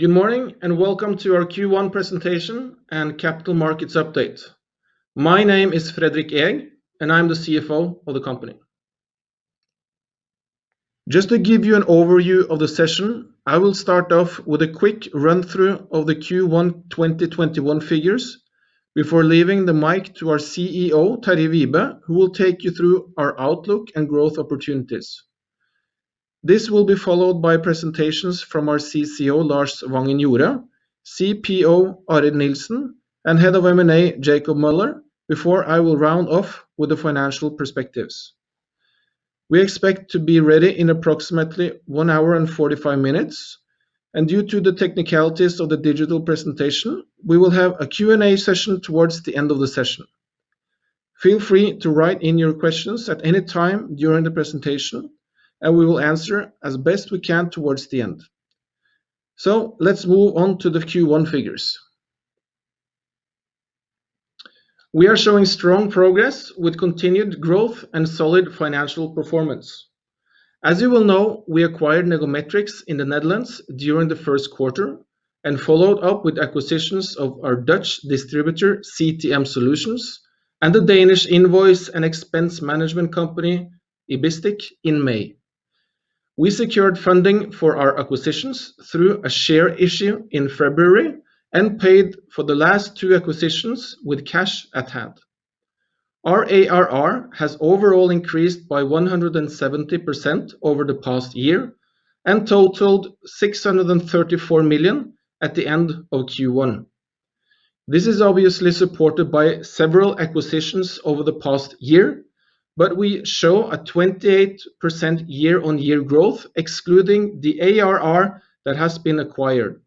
Good morning. Welcome to our Q1 presentation and capital markets update. My name is Fredrik Eeg, and I'm the CFO of the company. Just to give you an overview of the session, I will start off with a quick run-through of the Q1 2021 figures before leaving the mic to our CEO, Terje Wibe, who will take you through our outlook and growth opportunities. This will be followed by presentations from our CCO, Lars Vangen-Jorå, CPO, Arild Nilsen, and Head of M&A, Jacob Møller, before I will round off with the financial perspectives. We expect to be ready in approximately one hour and 45 minutes. Due to the technicalities of the digital presentation, we will have a Q&A session towards the end of the session. Feel free to write in your questions at any time during the presentation, and we will answer as best we can towards the end. Let's move on to the Q1 figures. We are showing strong progress with continued growth and solid financial performance. As you will know, we acquired Negometrix in the Netherlands during the first quarter and followed up with acquisitions of our Dutch distributor, CTM Solution, and the Danish invoice and expense management company, Ibistic, in May. We secured funding for our acquisitions through a share issue in February and paid for the last two acquisitions with cash at hand. Our ARR has overall increased by 170% over the past year and totaled 634 million at the end of Q1. This is obviously supported by several acquisitions over the past year, but we show a 28% year-on-year growth excluding the ARR that has been acquired.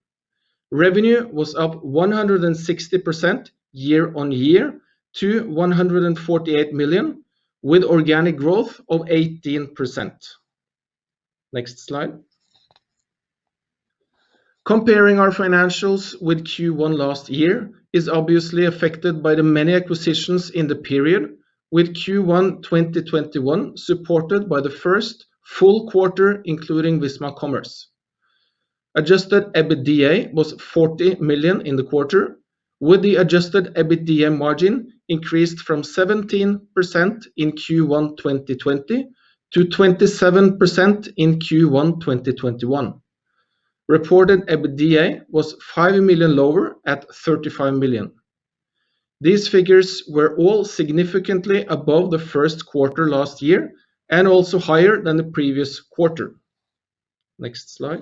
Revenue was up 160% year-on-year to 148 million with organic growth of 18%. Next slide. Comparing our financials with Q1 last year is obviously affected by the many acquisitions in the period, with Q1 2021 supported by the first full quarter including Visma Commerce. Adjusted EBITDA was 40 million in the quarter, with the adjusted EBITDA margin increased from 17% in Q1 2020 to 27% in Q1 2021. Reported EBITDA was 5 million lower at 35 million. These figures were all significantly above the first quarter last year and also higher than the previous quarter. Next slide.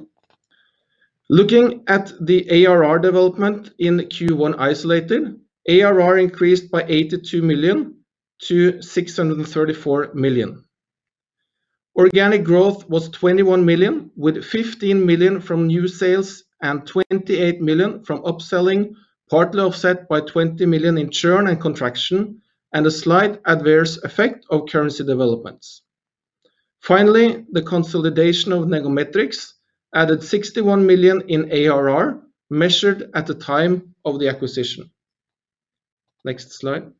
Looking at the ARR development in Q1 isolated, ARR increased by 82 million to 634 million. Organic growth was 21 million, with 15 million from new sales and 28 million from upselling, partly offset by 20 million in churn and contraction and a slight adverse effect of currency developments. The consolidation of Negometrix added 61 million in ARR measured at the time of the acquisition. Next slide.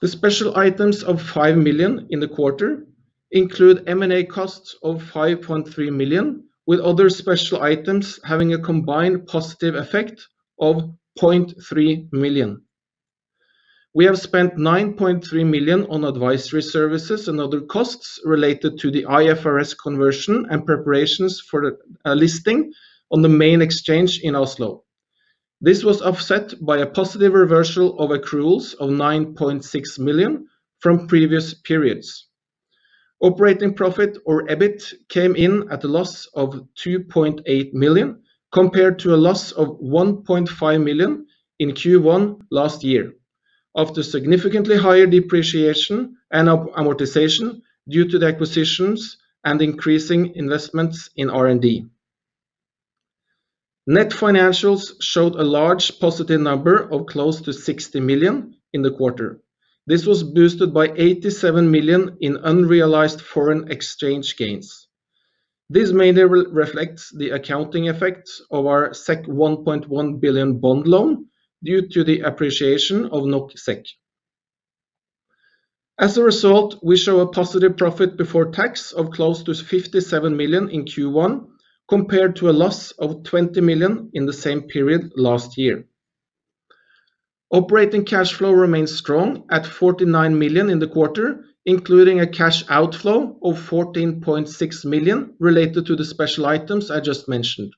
The special items of 5 million in the quarter include M&A costs of 5.3 million, with other special items having a combined positive effect of 0.3 million. We have spent 9.3 million on advisory services and other costs related to the IFRS conversion and preparations for a listing on the main exchange in Oslo. This was offset by a positive reversal of accruals of 9.6 million from previous periods. Operating profit or EBIT came in at a loss of 2.8 million, compared to a loss of 1.5 million in Q1 last year after significantly higher depreciation and amortization due to the acquisitions and increasing investments in R&D. Net financials showed a large positive number of close to 60 million in the quarter. This was boosted by 87 million in unrealized foreign exchange gains. This mainly reflects the accounting effects of our 1.1 billion bond loan due to the appreciation of NOK to SEK. We show a positive profit before tax of close to 57 million in Q1, compared to a loss of 20 million in the same period last year. Operating cash flow remains strong at 49 million in the quarter, including a cash outflow of 14.6 million related to the special items I just mentioned.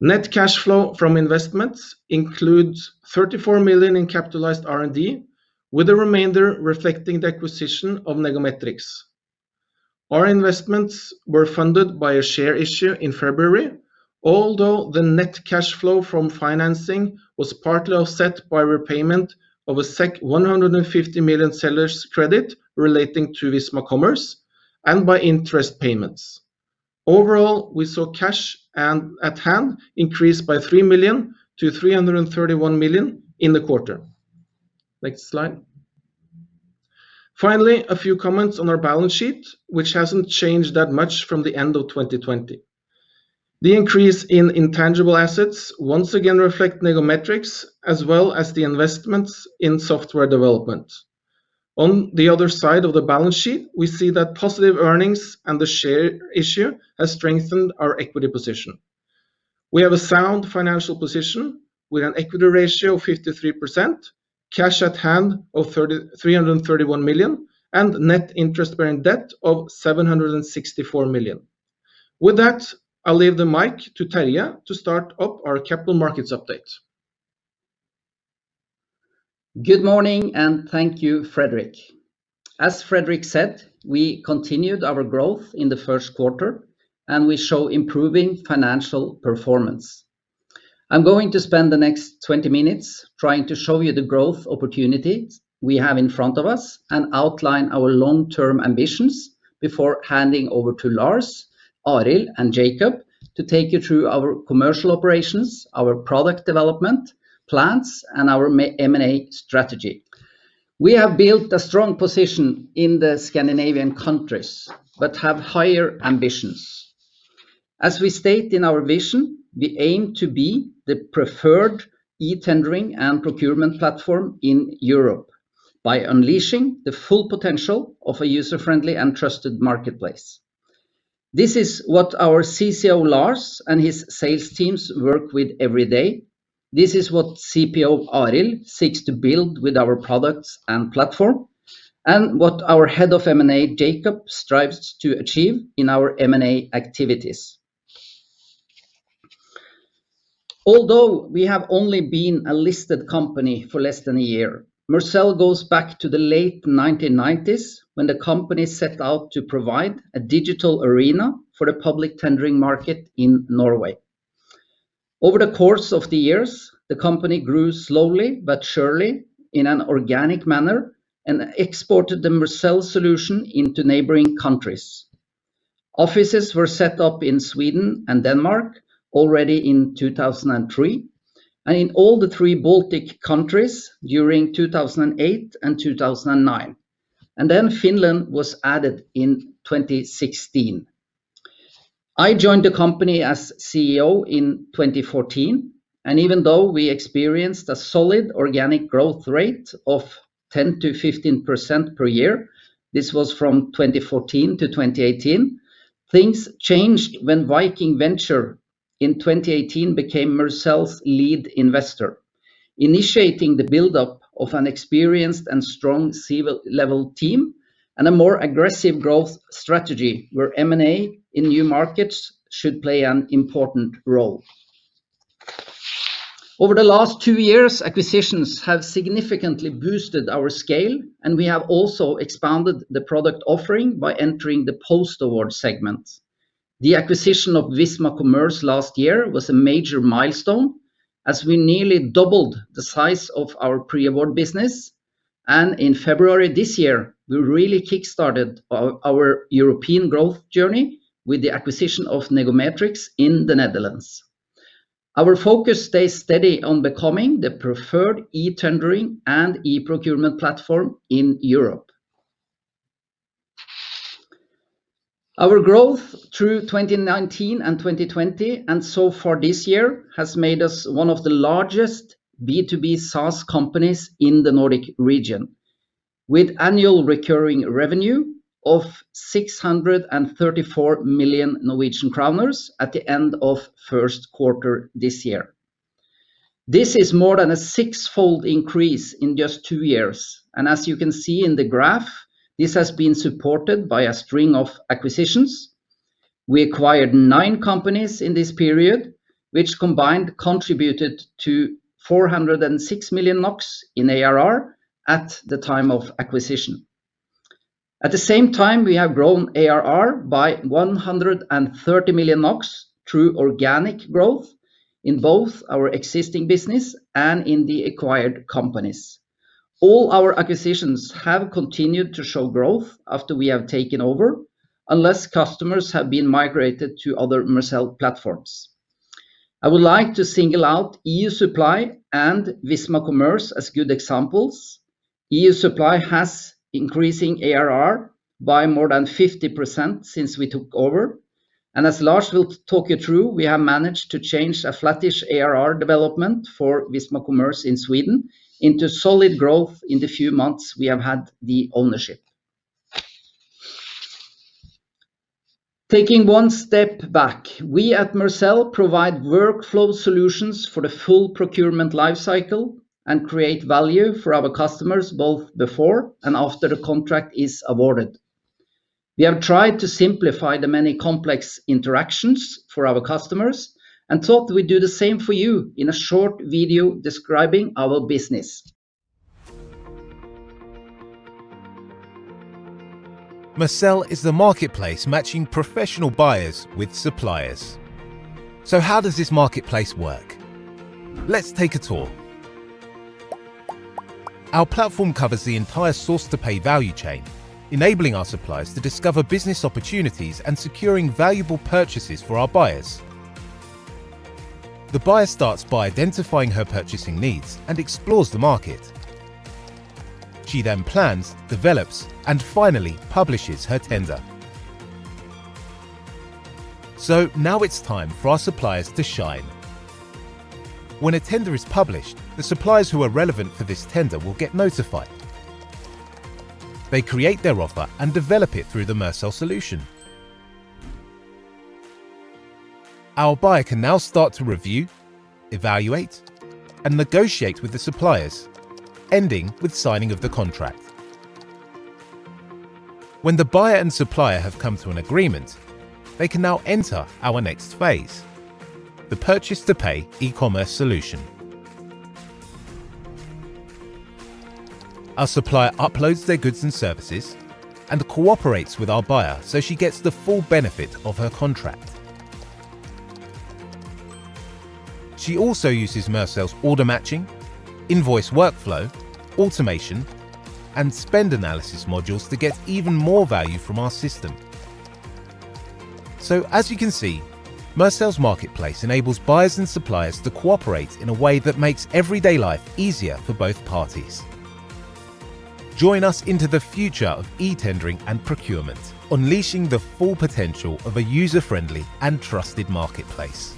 Net cash flow from investments includes 34 million in capitalized R&D, with the remainder reflecting the acquisition of Negometrix. Our investments were funded by a share issue in February, although the net cash flow from financing was partly offset by repayment of a 150 million sellers credit relating to Visma Commerce and by interest payments. Overall, we saw cash at hand increase by 3 million to 331 million in the quarter. Next slide. Finally, a few comments on our balance sheet, which hasn't changed that much from the end of 2020. The increase in intangible assets once again reflect Negometrix as well as the investments in software development. On the other side of the balance sheet, we see that positive earnings and the share issue has strengthened our equity position. We have a sound financial position with an equity ratio of 53%, cash at hand of 331 million, and net interest-bearing debt of 764 million. With that, I'll leave the mic to Terje to start up our capital markets update. Good morning, and thank you, Fredrik. As Fredrik said, we continued our growth in the first quarter, and we show improving financial performance. I'm going to spend the next 20 minutes trying to show you the growth opportunities we have in front of us and outline our long-term ambitions before handing over to Lars, Arild, and Jacob to take you through our commercial operations, our product development plans, and our M&A strategy. We have built a strong position in the Scandinavian countries but have higher ambitions. As we state in our vision, we aim to be the preferred e-tendering and procurement platform in Europe by unleashing the full potential of a user-friendly and trusted marketplace. This is what our CCO, Lars, and his sales teams work with every day. This is what CPO Arild seeks to build with our products and platform and what our Head of M&A, Jacob, strives to achieve in our M&A activities. Although we have only been a listed company for less than a year, Mercell goes back to the late 1990s, when the company set out to provide a digital arena for the public tendering market in Norway. Over the course of the years, the company grew slowly but surely in an organic manner and exported the Mercell solution into neighboring countries. Offices were set up in Sweden and Denmark already in 2003, and in all the three Baltic countries during 2008 and 2009, and then Finland was added in 2016. I joined the company as CEO in 2014, and even though we experienced a solid organic growth rate of 10%-15% per year, this was from 2014 to 2018, things changed when Viking Venture in 2018 became Mercell's lead investor, initiating the buildup of an experienced and strong C-level team and a more aggressive growth strategy where M&A in new markets should play an important role. Over the last two years, acquisitions have significantly boosted our scale, and we have also expanded the product offering by entering the post-award segment. The acquisition of Visma Commerce last year was a major milestone as we nearly doubled the size of our pre-award business. In February this year, we really kickstarted our European growth journey with the acquisition of Negometrix in the Netherlands. Our focus stays steady on becoming the preferred e-tendering and e-procurement platform in Europe. Our growth through 2019 and 2020 and so far this year has made us one of the largest B2B SaaS companies in the Nordic region, with annual recurring revenue of 634 million Norwegian kroner at the end of first quarter this year. This is more than a six-fold increase in just two years. As you can see in the graph, this has been supported by a string of acquisitions. We acquired nine companies in this period, which combined contributed to 406 million NOK in ARR at the time of acquisition. At the same time, we have grown ARR by 130 million NOK through organic growth in both our existing business and in the acquired companies. All our acquisitions have continued to show growth after we have taken over unless customers have been migrated to other Mercell platforms. I would like to single out EU Supply and Visma Commerce as good examples. EU Supply has increasing ARR by more than 50% since we took over, and as Lars will talk you through, we have managed to change a flattish ARR development for Visma Commerce in Sweden into solid growth in the few months we have had the ownership. Taking one step back, we at Mercell provide workflow solutions for the full procurement life cycle and create value for our customers both before and after the contract is awarded. We have tried to simplify the many complex interactions for our customers and thought we'd do the same for you in a short video describing our business. Mercell is the marketplace matching professional buyers with suppliers. How does this marketplace work? Let's take a tour. Our platform covers the entire source-to-pay value chain, enabling our suppliers to discover business opportunities and securing valuable purchases for our buyers. The buyer starts by identifying her purchasing needs and explores the market. She then plans, develops, and finally publishes her tender. Now it's time for our suppliers to shine. When a tender is published, the suppliers who are relevant for this tender will get notified. They create their offer and develop it through the Mercell solution. Our buyer can now start to review, evaluate, and negotiate with the suppliers, ending with signing of the contract. When the buyer and supplier have come to an agreement, they can now enter our next phase, the purchase-to-pay e-commerce solution. Our supplier uploads their goods and services and cooperates with our buyer so she gets the full benefit of her contract. She also uses Mercell's order matching, invoice workflow, automation, and spend analysis modules to get even more value from our system. As you can see, Mercell's marketplace enables buyers and suppliers to cooperate in a way that makes everyday life easier for both parties. Join us into the future of e-tendering and procurement, unleashing the full potential of a user-friendly and trusted marketplace.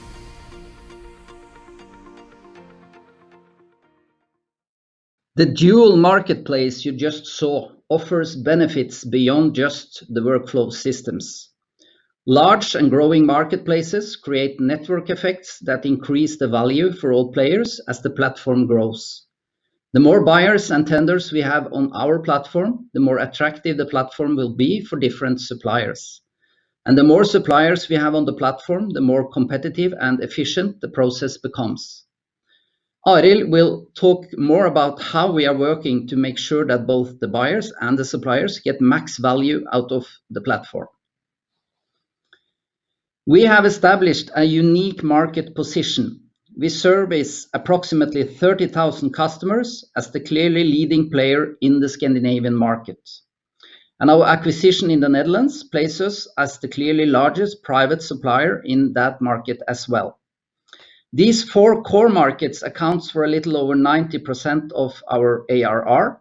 The dual marketplace you just saw offers benefits beyond just the workflow systems. Large and growing marketplaces create network effects that increase the value for all players as the platform grows. The more buyers and tenders we have on our platform, the more attractive the platform will be for different suppliers. The more suppliers we have on the platform, the more competitive and efficient the process becomes. Arild will talk more about how we are working to make sure that both the buyers and the suppliers get max value out of the platform. We have established a unique market position. We service approximately 30,000 customers as the clearly leading player in the Scandinavian market. Our acquisition in the Netherlands places us as the clearly largest private supplier in that market as well. These four core markets account for a little over 90% of our ARR,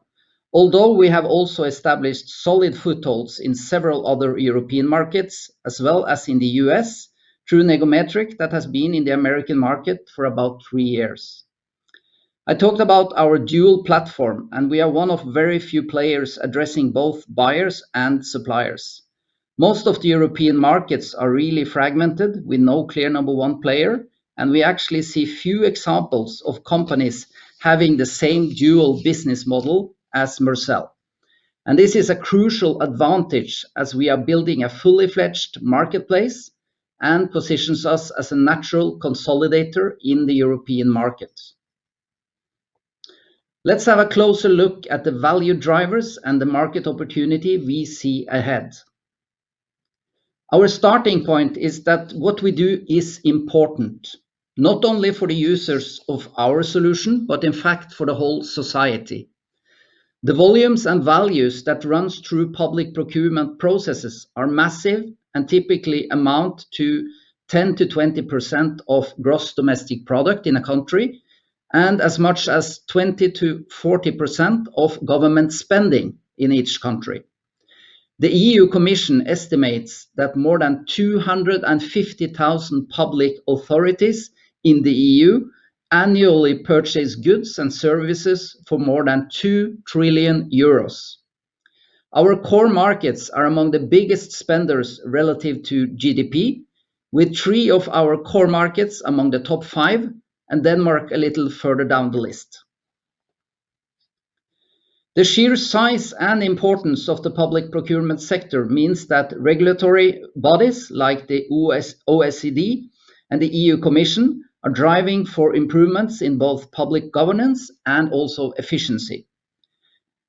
although we have also established solid footholds in several other European markets, as well as in the U.S., through Negometrix that has been in the American market for about three years. I talked about our dual platform, we are one of very few players addressing both buyers and suppliers. Most of the European markets are really fragmented with no clear number one player, we actually see a few examples of companies having the same dual business model as Mercell. This is a crucial advantage as we are building a fully-fledged marketplace and positions us as a natural consolidator in the European market. Let's have a closer look at the value drivers and the market opportunity we see ahead. Our starting point is that what we do is important, not only for the users of our solution, but in fact for the whole society. The volumes and values that run through public procurement processes are massive and typically amount to 10%-20% of gross domestic product in a country, and as much as 20%-40% of government spending in each country. The European Commission estimates that more than 250,000 public authorities in the EU annually purchase goods and services for more than 2 trillion euros. Our core markets are among the biggest spenders relative to GDP, with three of our core markets among the top five, and Denmark a little further down the list. The sheer size and importance of the public procurement sector means that regulatory bodies like the OECD and the EU Commission are driving for improvements in both public governance and also efficiency.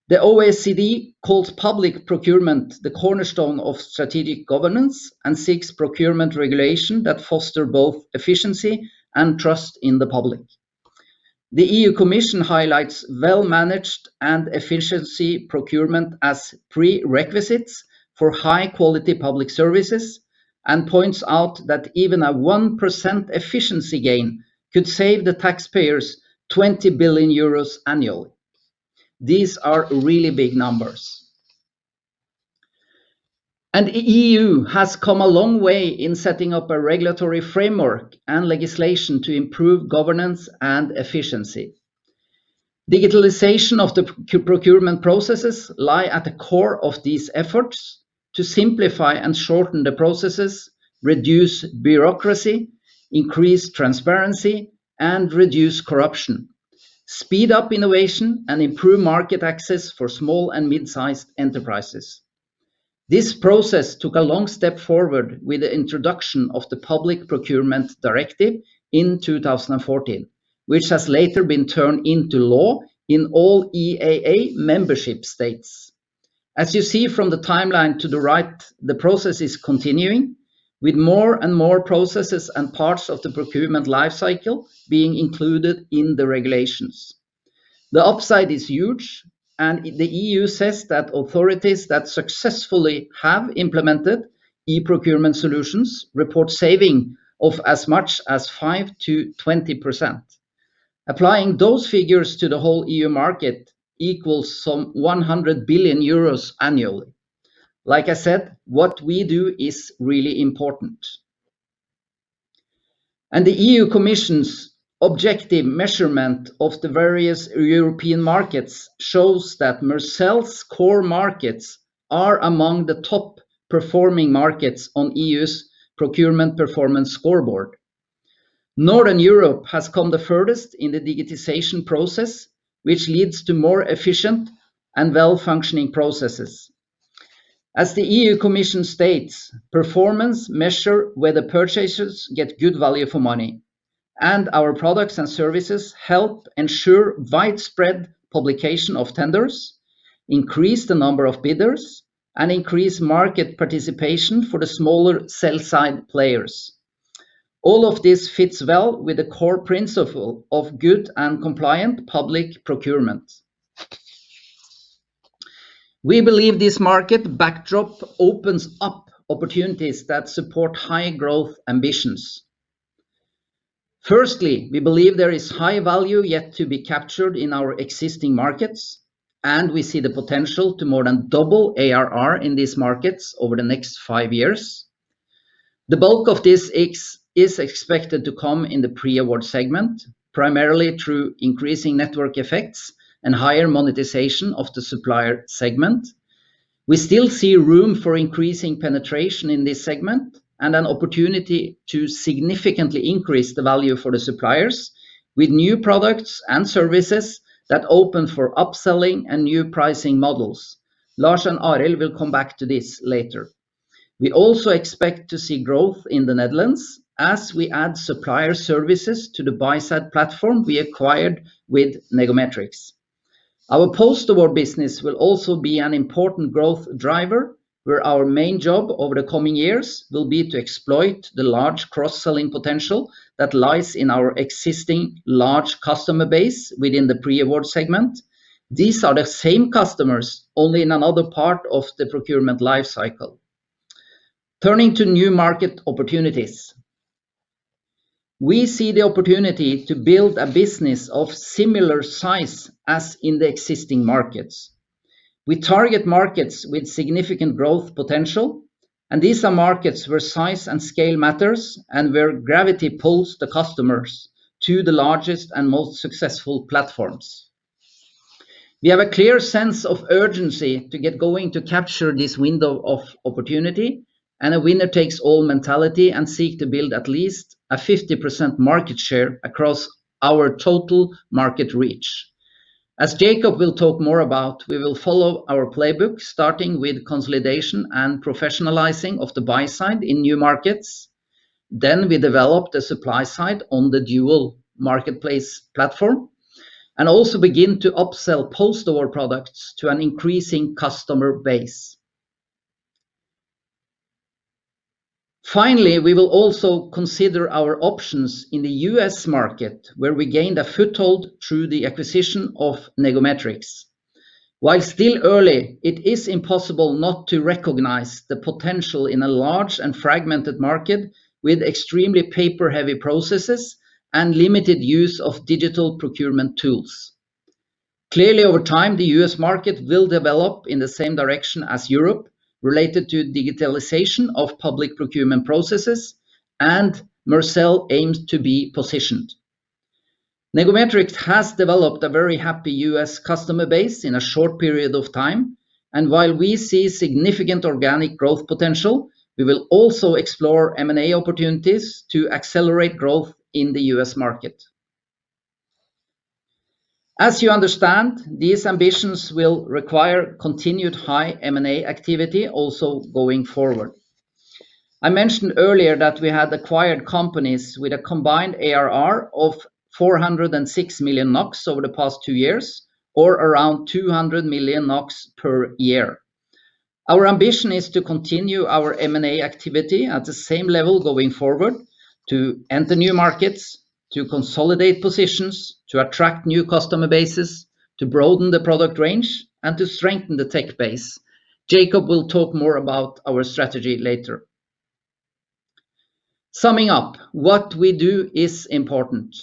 The OECD calls public procurement the cornerstone of strategic governance and seeks procurement regulation that foster both efficiency and trust in the public. The EU Commission highlights well-managed and efficiency procurement as prerequisites for high-quality public services and points out that even a 1% efficiency gain could save the taxpayers 20 billion euros annually. These are really big numbers. EU has come a long way in setting up a regulatory framework and legislation to improve governance and efficiency. Digitalization of the procurement processes lie at the core of these efforts to simplify and shorten the processes, reduce bureaucracy, increase transparency, and reduce corruption, speed up innovation, and improve market access for small and mid-sized enterprises. This process took a long step forward with the introduction of the Public Procurement Directive in 2014, which has later been turned into law in all EEA membership states. As you see from the timeline to the right, the process is continuing, with more and more processes and parts of the procurement lifecycle being included in the regulations. The upside is huge. The EU says that authorities that successfully have implemented e-procurement solutions report saving of as much as 5%-20%. Applying those figures to the whole EU market equals some 100 billion euros annually. Like I said, what we do is really important. The EU Commission's objective measurement of the various European markets shows that Mercell's core markets are among the top-performing markets on EU's procurement performance scoreboard. Northern Europe has come the furthest in the digitization process, which leads to more efficient and well-functioning processes. As the EU Commission states, performance measure where the purchasers get good value for money, and our products and services help ensure widespread publication of tenders, increase the number of bidders, and increase market participation for the smaller sell-side players. All of this fits well with the core principle of good and compliant public procurement. We believe this market backdrop opens up opportunities that support high growth ambitions. Firstly, we believe there is high value yet to be captured in our existing markets, and we see the potential to more than double ARR in these markets over the next five years. The bulk of this is expected to come in the pre-award segment, primarily through increasing network effects and higher monetization of the supplier segment. We still see room for increasing penetration in this segment and an opportunity to significantly increase the value for the suppliers with new products and services that open for upselling and new pricing models. Lars and Arild will come back to this later. We also expect to see growth in the Netherlands as we add supplier services to the buy-side platform we acquired with Negometrix. Our post-award business will also be an important growth driver, where our main job over the coming years will be to exploit the large cross-selling potential that lies in our existing large customer base within the pre-award segment. These are the same customers, only in another part of the procurement life cycle. Turning to new market opportunities. We see the opportunity to build a business of similar size as in the existing markets. We target markets with significant growth potential, and these are markets where size and scale matters, and where gravity pulls the customers to the largest and most successful platforms. We have a clear sense of urgency to get going to capture this window of opportunity and a winner-takes-all mentality and seek to build at least a 50% market share across our total market reach. As Jacob will talk more about, we will follow our playbook, starting with consolidation and professionalizing of the buy side in new markets. We develop the supply side on the dual marketplace platform and also begin to upsell post-award products to an increasing customer base. We will also consider our options in the U.S. market, where we gained a foothold through the acquisition of Negometrix. While still early, it is impossible not to recognize the potential in a large and fragmented market with extremely paper-heavy processes and limited use of digital procurement tools. Over time, the U.S. market will develop in the same direction as Europe related to digitalization of public procurement processes, and Mercell aims to be positioned. Negometrix has developed a very happy U.S. customer base in a short period of time, and while we see significant organic growth potential, we will also explore M&A opportunities to accelerate growth in the U.S. market. As you understand, these ambitions will require continued high M&A activity also going forward. I mentioned earlier that we had acquired companies with a combined ARR of 406 million NOK over the past two years, or around 200 million NOK per year. Our ambition is to continue our M&A activity at the same level going forward, to enter new markets, to consolidate positions, to attract new customer bases, to broaden the product range, and to strengthen the tech base. Jacob will talk more about our strategy later. Summing up, what we do is important,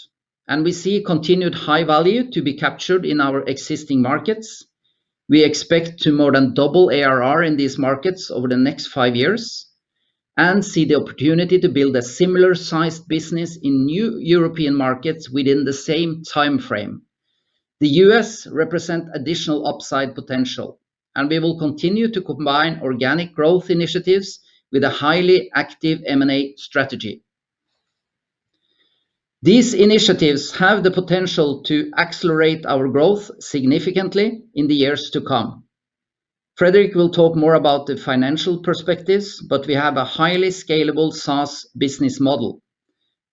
and we see continued high value to be captured in our existing markets. We expect to more than double ARR in these markets over the next five years and see the opportunity to build a similar-sized business in new European markets within the same timeframe. The U.S. represents additional upside potential. We will continue to combine organic growth initiatives with a highly active M&A strategy. These initiatives have the potential to accelerate our growth significantly in the years to come. Fredrik will talk more about the financial perspectives. We have a highly scalable SaaS business model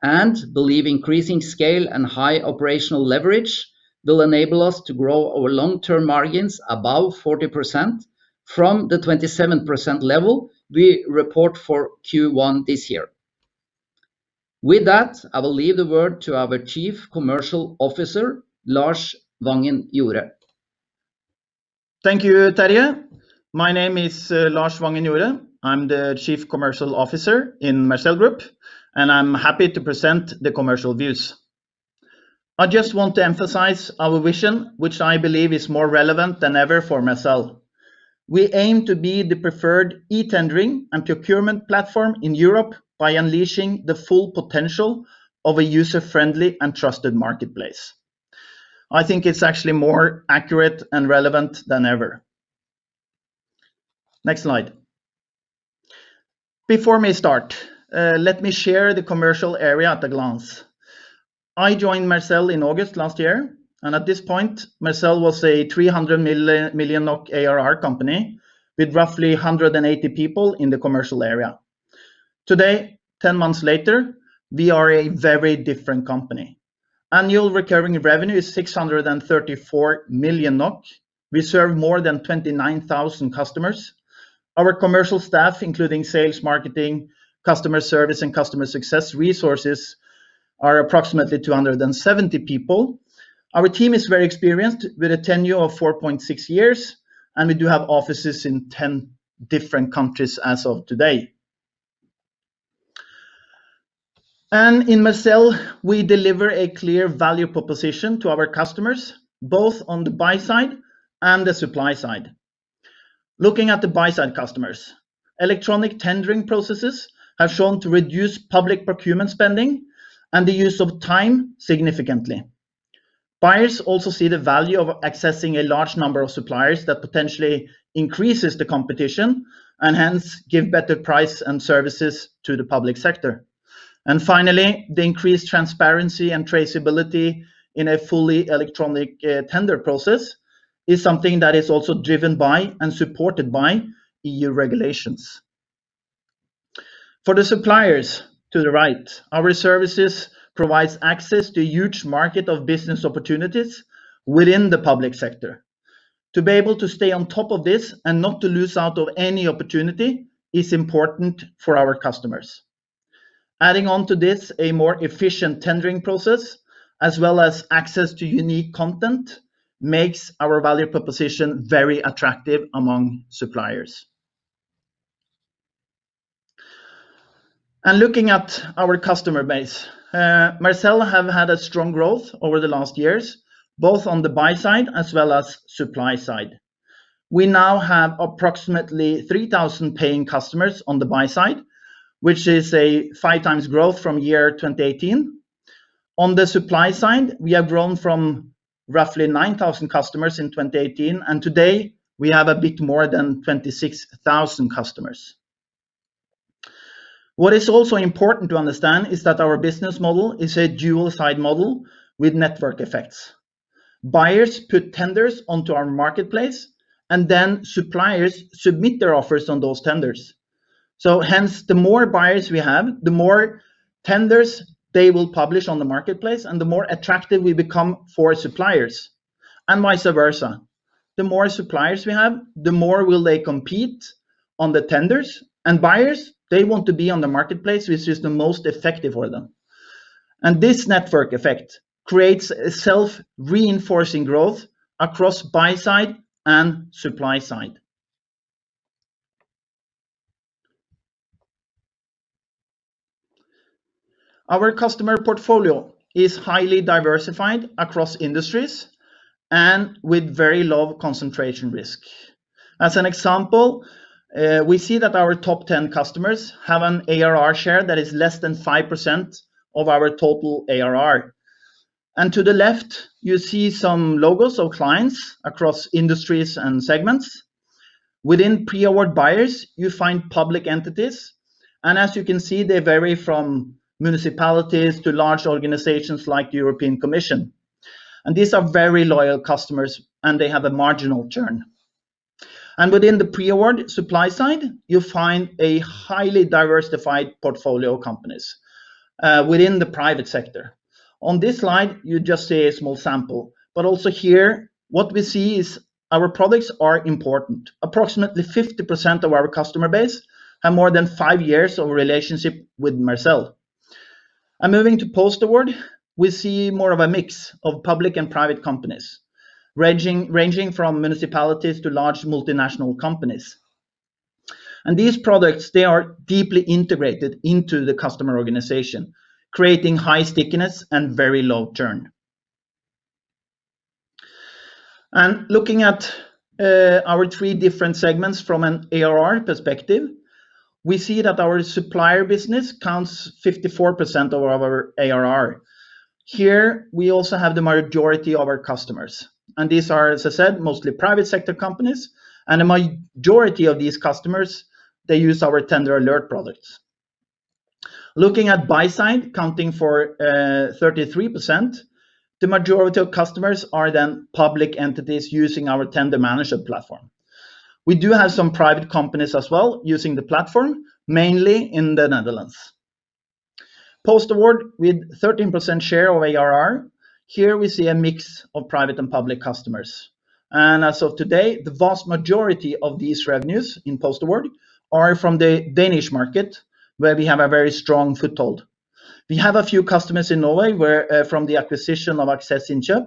and believe increasing scale and high operational leverage will enable us to grow our long-term margins above 40% from the 27% level we report for Q1 this year. With that, I will leave the word to our Chief Commercial Officer, Lars Vangen-Jorå. Thank you, Terje. My name is Lars Vangen-Jorå. I'm the Chief Commercial Officer in Mercell Group, and I'm happy to present the commercial views. I just want to emphasize our vision, which I believe is more relevant than ever for Mercell. We aim to be the preferred e-tendering and procurement platform in Europe by unleashing the full potential of a user-friendly and trusted marketplace. I think it's actually more accurate and relevant than ever. Next slide. Before we start, let me share the commercial area at a glance. I joined Mercell in August last year, and at this point, Mercell was a 300 million NOK ARR company with roughly 180 people in the commercial area. Today, 10 months later, we are a very different company. Annual recurring revenue is 634 million NOK. We serve more than 29,000 customers. Our commercial staff, including sales, marketing, customer service, and customer success resources, are approximately 270 people. Our team is very experienced with a tenure of 4.6 years. We do have offices in 10 different countries as of today. In Mercell, we deliver a clear value proposition to our customers, both on the buy side and the supply side. Looking at the buy-side customers, electronic tendering processes have shown to reduce public procurement spending and the use of time significantly. Buyers also see the value of accessing a large number of suppliers that potentially increases the competition and hence give better price and services to the public sector. Finally, the increased transparency and traceability in a fully electronic tender process is something that is also driven by and supported by EU regulations. For the suppliers, to the right, our services provides access to a huge market of business opportunities within the public sector. To be able to stay on top of this and not to lose out on any opportunity is important for our customers. Adding on to this, a more efficient tendering process, as well as access to unique content, makes our value proposition very attractive among suppliers. Looking at our customer base, Mercell have had a strong growth over the last years, both on the buy side as well as supply side. We now have approximately 3,000 paying customers on the buy side, which is a five times growth from year 2018. On the supply side, we have grown from roughly 9,000 customers in 2018, and today we have a bit more than 26,000 customers. What is also important to understand is that our business model is a dual side model with network effects. Buyers put tenders onto our marketplace, and then suppliers submit their offers on those tenders. Hence, the more buyers we have, the more tenders they will publish on the marketplace, and the more attractive we become for suppliers. Vice versa. The more suppliers we have, the more will they compete on the tenders, and buyers, they want to be on the marketplace, which is the most effective for them. This network effect creates a self-reinforcing growth across buy side and supply side. Our customer portfolio is highly diversified across industries and with very low concentration risk. As an example, we see that our top 10 customers have an ARR share that is less than 5% of our total ARR. To the left, you see some logos of clients across industries and segments. Within pre-award buyers, you find public entities, and as you can see, they vary from municipalities to large organizations like European Commission. These are very loyal customers, and they have a marginal churn. Within the pre-award supply side, you find a highly diversified portfolio of companies within the private sector. On this slide, you just see a small sample, but also here, what we see is our products are important. Approximately 50% of our customer base have more than five years of relationship with Mercell. Moving to post-award, we see more of a mix of public and private companies, ranging from municipalities to large multinational companies. These products, they are deeply integrated into the customer organization, creating high stickiness and very low churn. Looking at our three different segments from an ARR perspective, we see that our supplier business counts 54% of our ARR. Here, we also have the majority of our customers, and these are, as I said, mostly private sector companies, and the majority of these customers, they use our tender alert products. Looking at buy side, accounting for 33%, the majority of customers are then public entities using our tender management platform. We do have some private companies as well using the platform, mainly in the Netherlands. Post-award, with 13% share of ARR, here we see a mix of private and public customers. As of today, the vast majority of these revenues in post-award are from the Danish market, where we have a very strong foothold. We have a few customers in Norway from the acquisition of Aksess InnKjør,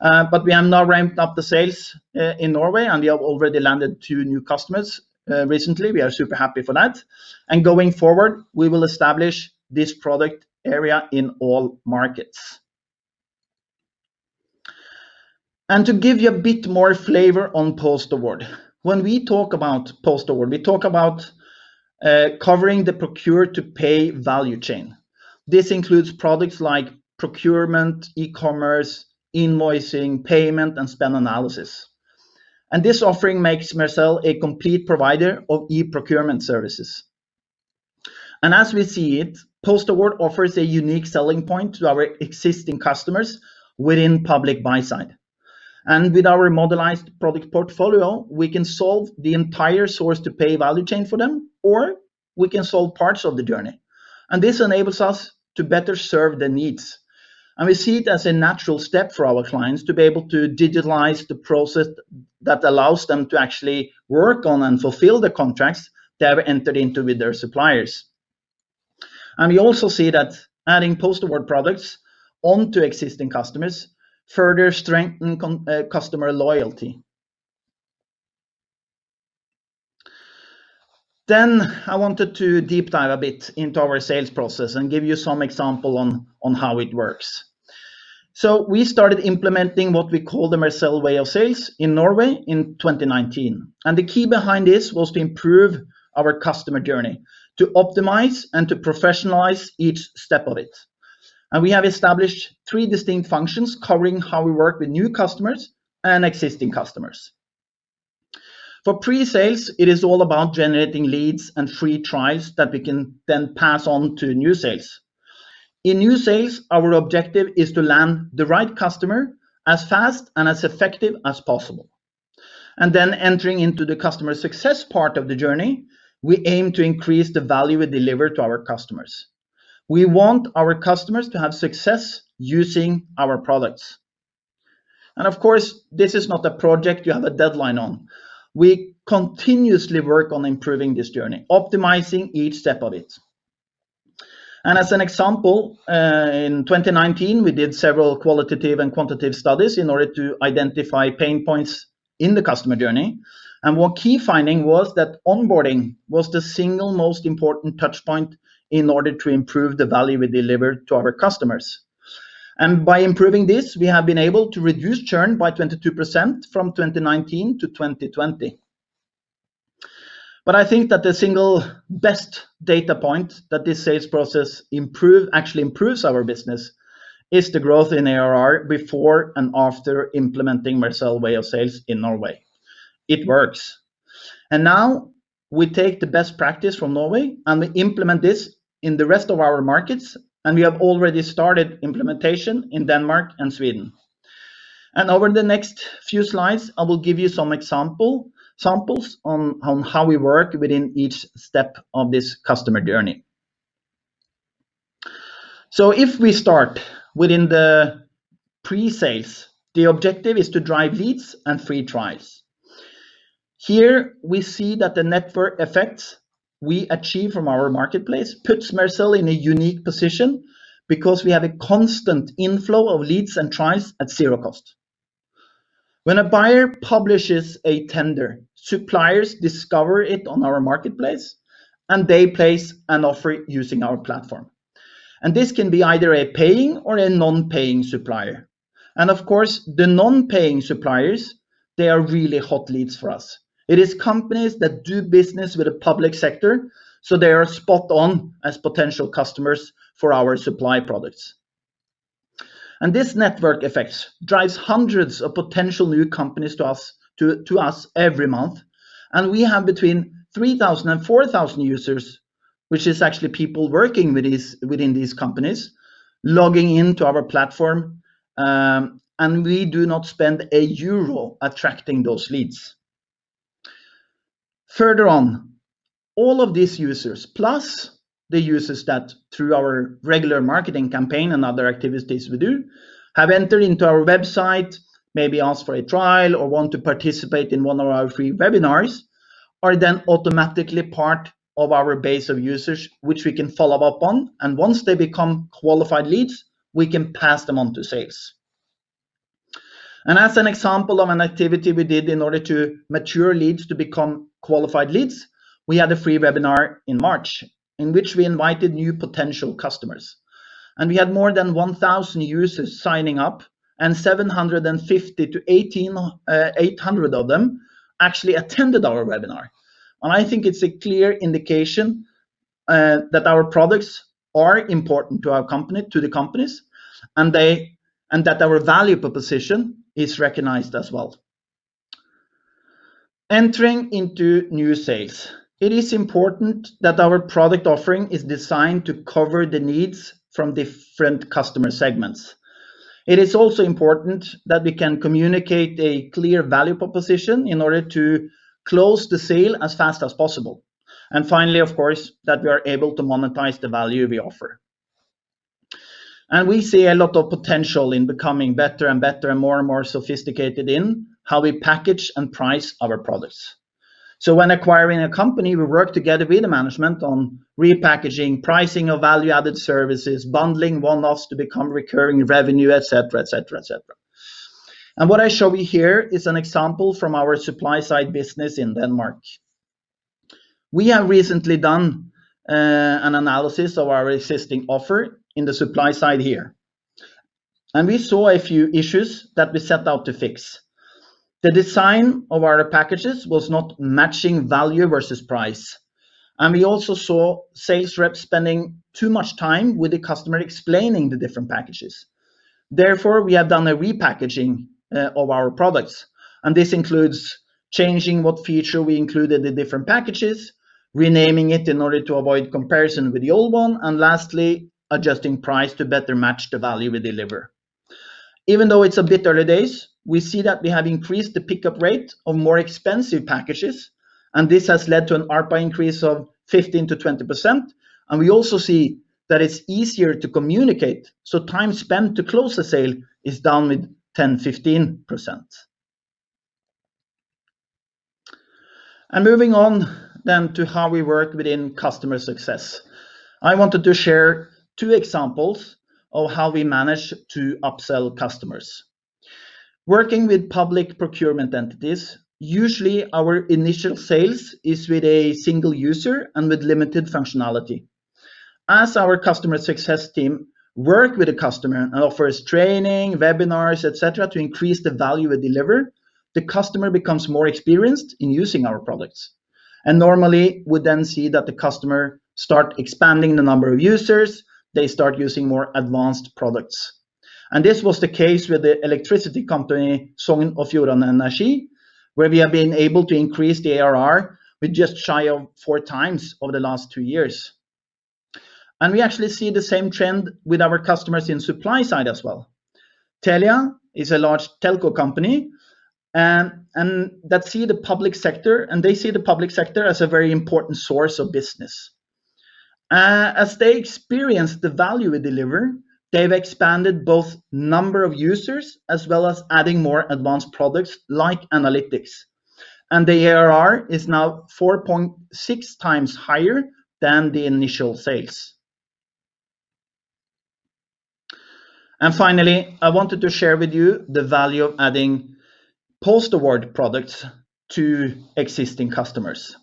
but we have now ramped up the sales in Norway, and we have already landed two new customers recently. We are super happy for that. Going forward, we will establish this product area in all markets. To give you a bit more flavor on post-award. When we talk about post-award, we talk about covering the procure-to-pay value chain. This includes products like procurement, e-commerce, invoicing, payment, and spend analysis. This offering makes Mercell a complete provider of e-procurement services. As we see it, post-award offers a unique selling point to our existing customers within public buy side. With our modernized product portfolio, we can solve the entire source-to-pay value chain for them, or we can solve parts of the journey. This enables us to better serve their needs. We see it as a natural step for our clients to be able to digitalize the process that allows them to actually work on and fulfill the contracts they have entered into with their suppliers. We also see that adding post-award products onto existing customers further strengthen customer loyalty. I wanted to deep dive a bit into our sales process and give you some example on how it works. We started implementing what we call the Mercell Way of Sales in Norway in 2019. The key behind this was to improve our customer journey, to optimize and to professionalize each step of it. We have established three distinct functions covering how we work with new customers and existing customers. For pre-sales, it is all about generating leads and free trials that we can then pass on to new sales. In new sales, our objective is to land the right customer as fast and as effective as possible. Then entering into the customer success part of the journey, we aim to increase the value we deliver to our customers. We want our customers to have success using our products. Of course, this is not a project you have a deadline on. We continuously work on improving this journey, optimizing each step of it. As an example, in 2019, we did several qualitative and quantitative studies in order to identify pain points in the customer journey. One key finding was that onboarding was the single most important touch point in order to improve the value we deliver to our customers. By improving this, we have been able to reduce churn by 22% from 2019 to 2020. I think that the single best data point that this sales process actually improves our business is the growth in ARR before and after implementing Mercell Way of Sales in Norway. It works. Now we take the best practice from Norway and implement this in the rest of our markets, and we have already started implementation in Denmark and Sweden. Over the next few slides, I will give you some samples on how we work within each step of this customer journey. If we start within the pre-sales, the objective is to drive leads and free trials. Here we see that the network effects we achieve from our Mercell Marketplace puts Mercell in a unique position because we have a constant inflow of leads and trials at zero cost. When a buyer publishes a tender, suppliers discover it on our Mercell Marketplace, they place an offer using our platform. This can be either a paying or a non-paying supplier. Of course, the non-paying suppliers, they are really hot leads for us. It is companies that do business with the public sector, so they are spot on as potential customers for our supply products. This network effect drives hundreds of potential new companies to us every month, we have between 3,000 and 4,000 users, which is actually people working within these companies, logging into our platform, we do not spend EUR 1 attracting those leads. Further on, all of these users, plus the users that through our regular marketing campaign and other activities we do, have entered into our website, maybe asked for a trial or want to participate in one of our free webinars, are then automatically part of our base of users, which we can follow up on. Once they become qualified leads, we can pass them on to sales. As an example of an activity we did in order to mature leads to become qualified leads, we had a free webinar in March in which we invited new potential customers. We had more than 1,000 users signing up, and 750 to 800 of them actually attended our webinar. I think it is a clear indication that our products are important to the companies and that our value proposition is recognized as well. Entering into new sales, it is important that our product offering is designed to cover the needs from different customer segments. It is also important that we can communicate a clear value proposition in order to close the sale as fast as possible. Finally, of course, that we are able to monetize the value we offer. And we see a lot of potential in becoming better and better and more and more sophisticated in how we package and price our products. When acquiring a company, we work together with the management on repackaging, pricing of value added services, bundling one-offs to become recurring revenue, et cetera. What I show you here is an example from our supply side business in Denmark. We have recently done an analysis of our existing offer in the supply side here, and we saw a few issues that we set out to fix. The design of our packages was not matching value versus price. We also saw sales reps spending too much time with the customer explaining the different packages. Therefore, we have done a repackaging of our products. This includes changing what feature we include in the different packages, renaming it in order to avoid comparison with the old one. Lastly, adjusting price to better match the value we deliver. Even though it's a bit early days, we see that we have increased the pickup rate on more expensive packages. This has led to an ARPA increase of 15%-20%. We also see that it's easier to communicate, so time spent to close a sale is down with 10%, 15%. Moving on then to how we work within customer success. I wanted to share two examples of how we manage to upsell customers. Working with public procurement entities, usually our initial sales is with a single user and with limited functionality. As our customer success team work with the customer and offers training, webinars, et cetera, to increase the value we deliver, the customer becomes more experienced in using our products. Normally, we then see that the customer start expanding the number of users, they start using more advanced products. This was the case with the electricity company, Sogn og Fjordane Energi, where we have been able to increase the ARR with just shy of four times over the last two years. We actually see the same trend with our customers in supply side as well. Telia is a large telco company, and they see the public sector as a very important source of business. As they experience the value we deliver, they've expanded both number of users as well as adding more advanced products like analytics. The ARR is now 4.6 times higher than the initial sales. Finally, I wanted to share with you the value of adding post-award products to existing customers.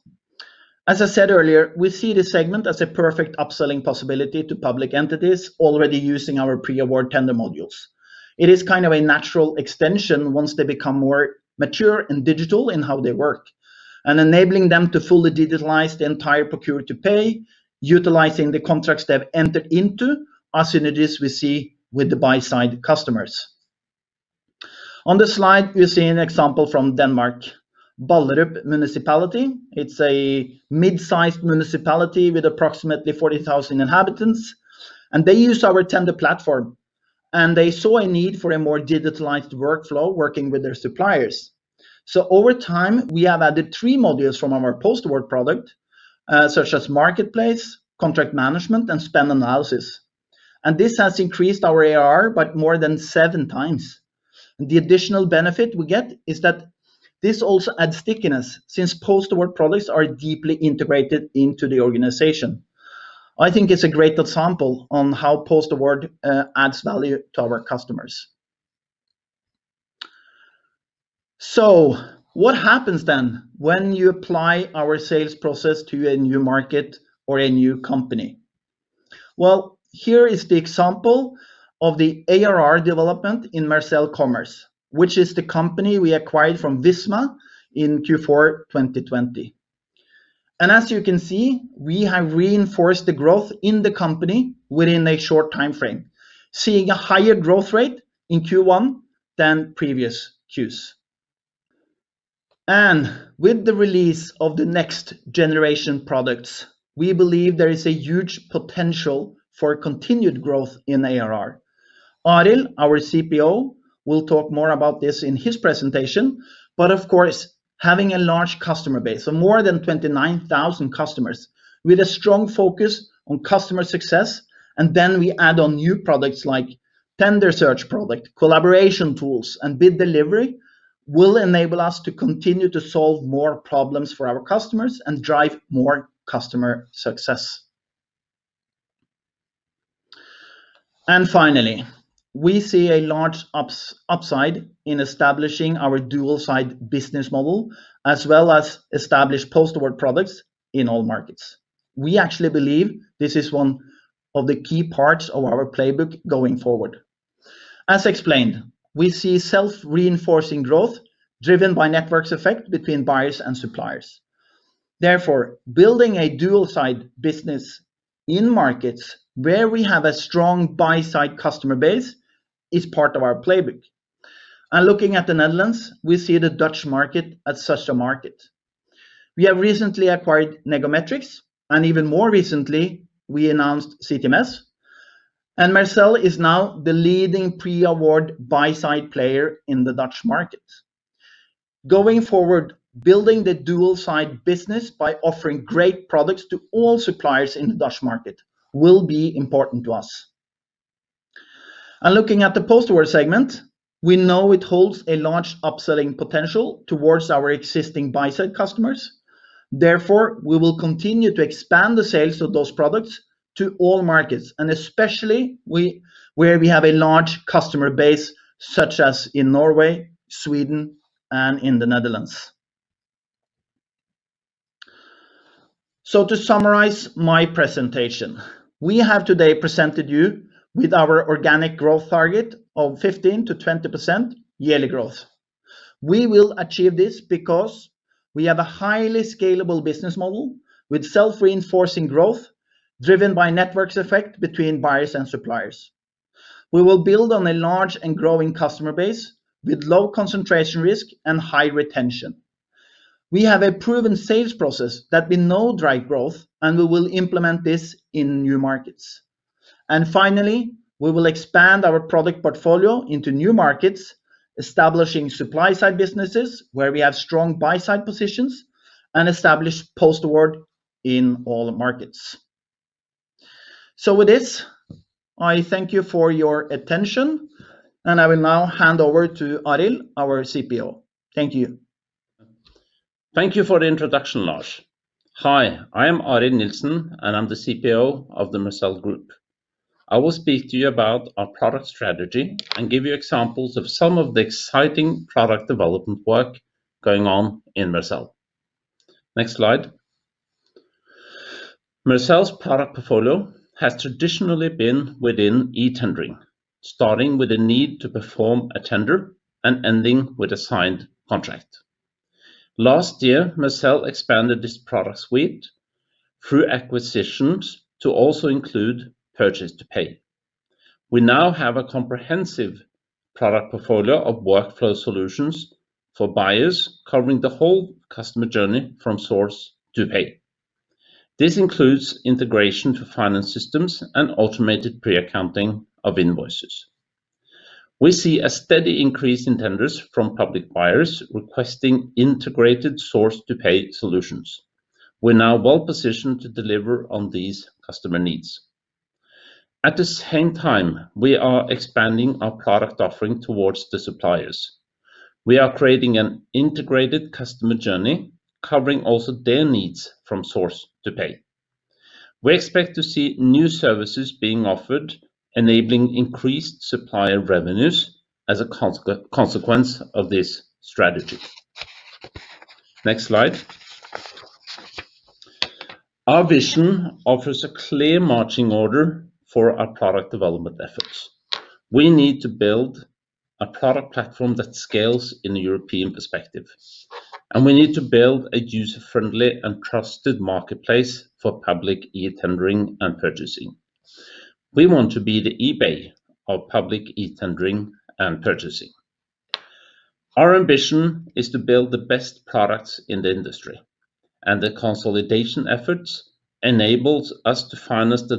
As I said earlier, we see this segment as a perfect upselling possibility to public entities already using our pre-award tender modules. It is kind of a natural extension once they become more mature and digital in how they work. Enabling them to fully digitalize the entire procure-to-pay, utilizing the contracts they've entered into are synergies we see with the buy-side customers. On this slide, we see an example from Denmark, Ballerup Municipality. It's a mid-sized municipality with approximately 40,000 inhabitants, and they use our tender platform. They saw a need for a more digitalized workflow working with their suppliers. Over time, we have added three modules from our post-award product, such as Mercell Marketplace, contract management, and spend analysis. This has increased our ARR by more than seven times. The additional benefit we get is that this also adds stickiness, since post-award products are deeply integrated into the organization. I think it's a great example on how post-award adds value to our customers. What happens then when you apply our sales process to a new market or a new company? Here is the example of the ARR development in Visma Commerce, which is the company we acquired from Visma in Q4 2020. As you can see, we have reinforced the growth in the company within a short timeframe, seeing a higher growth rate in Q1 than previous Qs. With the release of the next generation products, we believe there is a huge potential for continued growth in ARR. Arild, our CPO, will talk more about this in his presentation. Of course, having a large customer base of more than 29,000 customers with a strong focus on customer success, and then we add on new products like tender search product, collaboration tools, and bid delivery, will enable us to continue to solve more problems for our customers and drive more customer success. Finally, we see a large upside in establishing our dual-side business model, as well as establish post-award products in all markets. We actually believe this is one of the key parts of our playbook going forward. As explained, we see self-reinforcing growth driven by networks effect between buyers and suppliers. Therefore, building a dual-side business in markets where we have a strong buy-side customer base is part of our playbook. Looking at the Netherlands, we see the Dutch market as such a market. We have recently acquired Negometrix, and even more recently, we announced CTMS, and Mercell is now the leading pre-award buy-side player in the Dutch market. Going forward, building the dual-side business by offering great products to all suppliers in the Dutch market will be important to us. Looking at the post-award segment, we know it holds a large upselling potential towards our existing buy-side customers. Therefore, we will continue to expand the sales of those products to all markets, and especially where we have a large customer base, such as in Norway, Sweden, and in the Netherlands. To summarize my presentation, we have today presented you with our organic growth target of 15%-20% yearly growth. We will achieve this because we have a highly scalable business model with self-reinforcing growth driven by network effect between buyers and suppliers. We will build on a large and growing customer base with low concentration risk and high retention. We have a proven sales process that we know drives growth, and we will implement this in new markets. Finally, we will expand our product portfolio into new markets, establishing supply-side businesses where we have strong buy-side positions and establish post-award in all markets. With this, I thank you for your attention, and I will now hand over to Arild, our CPO. Thank you. Thank you for the introduction, Lars. Hi, I'm Arild Nilsen, and I'm the CPO of the Mercell Group. I will speak to you about our product strategy and give you examples of some of the exciting product development work going on in Mercell. Next slide. Mercell's product portfolio has traditionally been within e-tendering, starting with a need to perform a tender and ending with a signed contract. Last year, Mercell expanded its product suite through acquisitions to also include purchase-to-pay. We now have a comprehensive product portfolio of workflow solutions for buyers covering the whole customer journey from source-to-pay. This includes integration to finance systems and automated pre-accounting of invoices. We see a steady increase in tenders from public buyers requesting integrated source-to-pay solutions. We're now well-positioned to deliver on these customer needs. At the same time, we are expanding our product offering towards the suppliers. We are creating an integrated customer journey, covering also their needs from source-to-pay. We expect to see new services being offered, enabling increased supplier revenues as a consequence of this strategy. Next slide. Our vision offers a clear marching order for our product development efforts. We need to build a product platform that scales in a European perspective, and we need to build a user-friendly and trusted marketplace for public e-tendering and purchasing. We want to be the eBay of public e-tendering and purchasing. Our ambition is to build the best products in the industry. The consolidation efforts enables us to finance the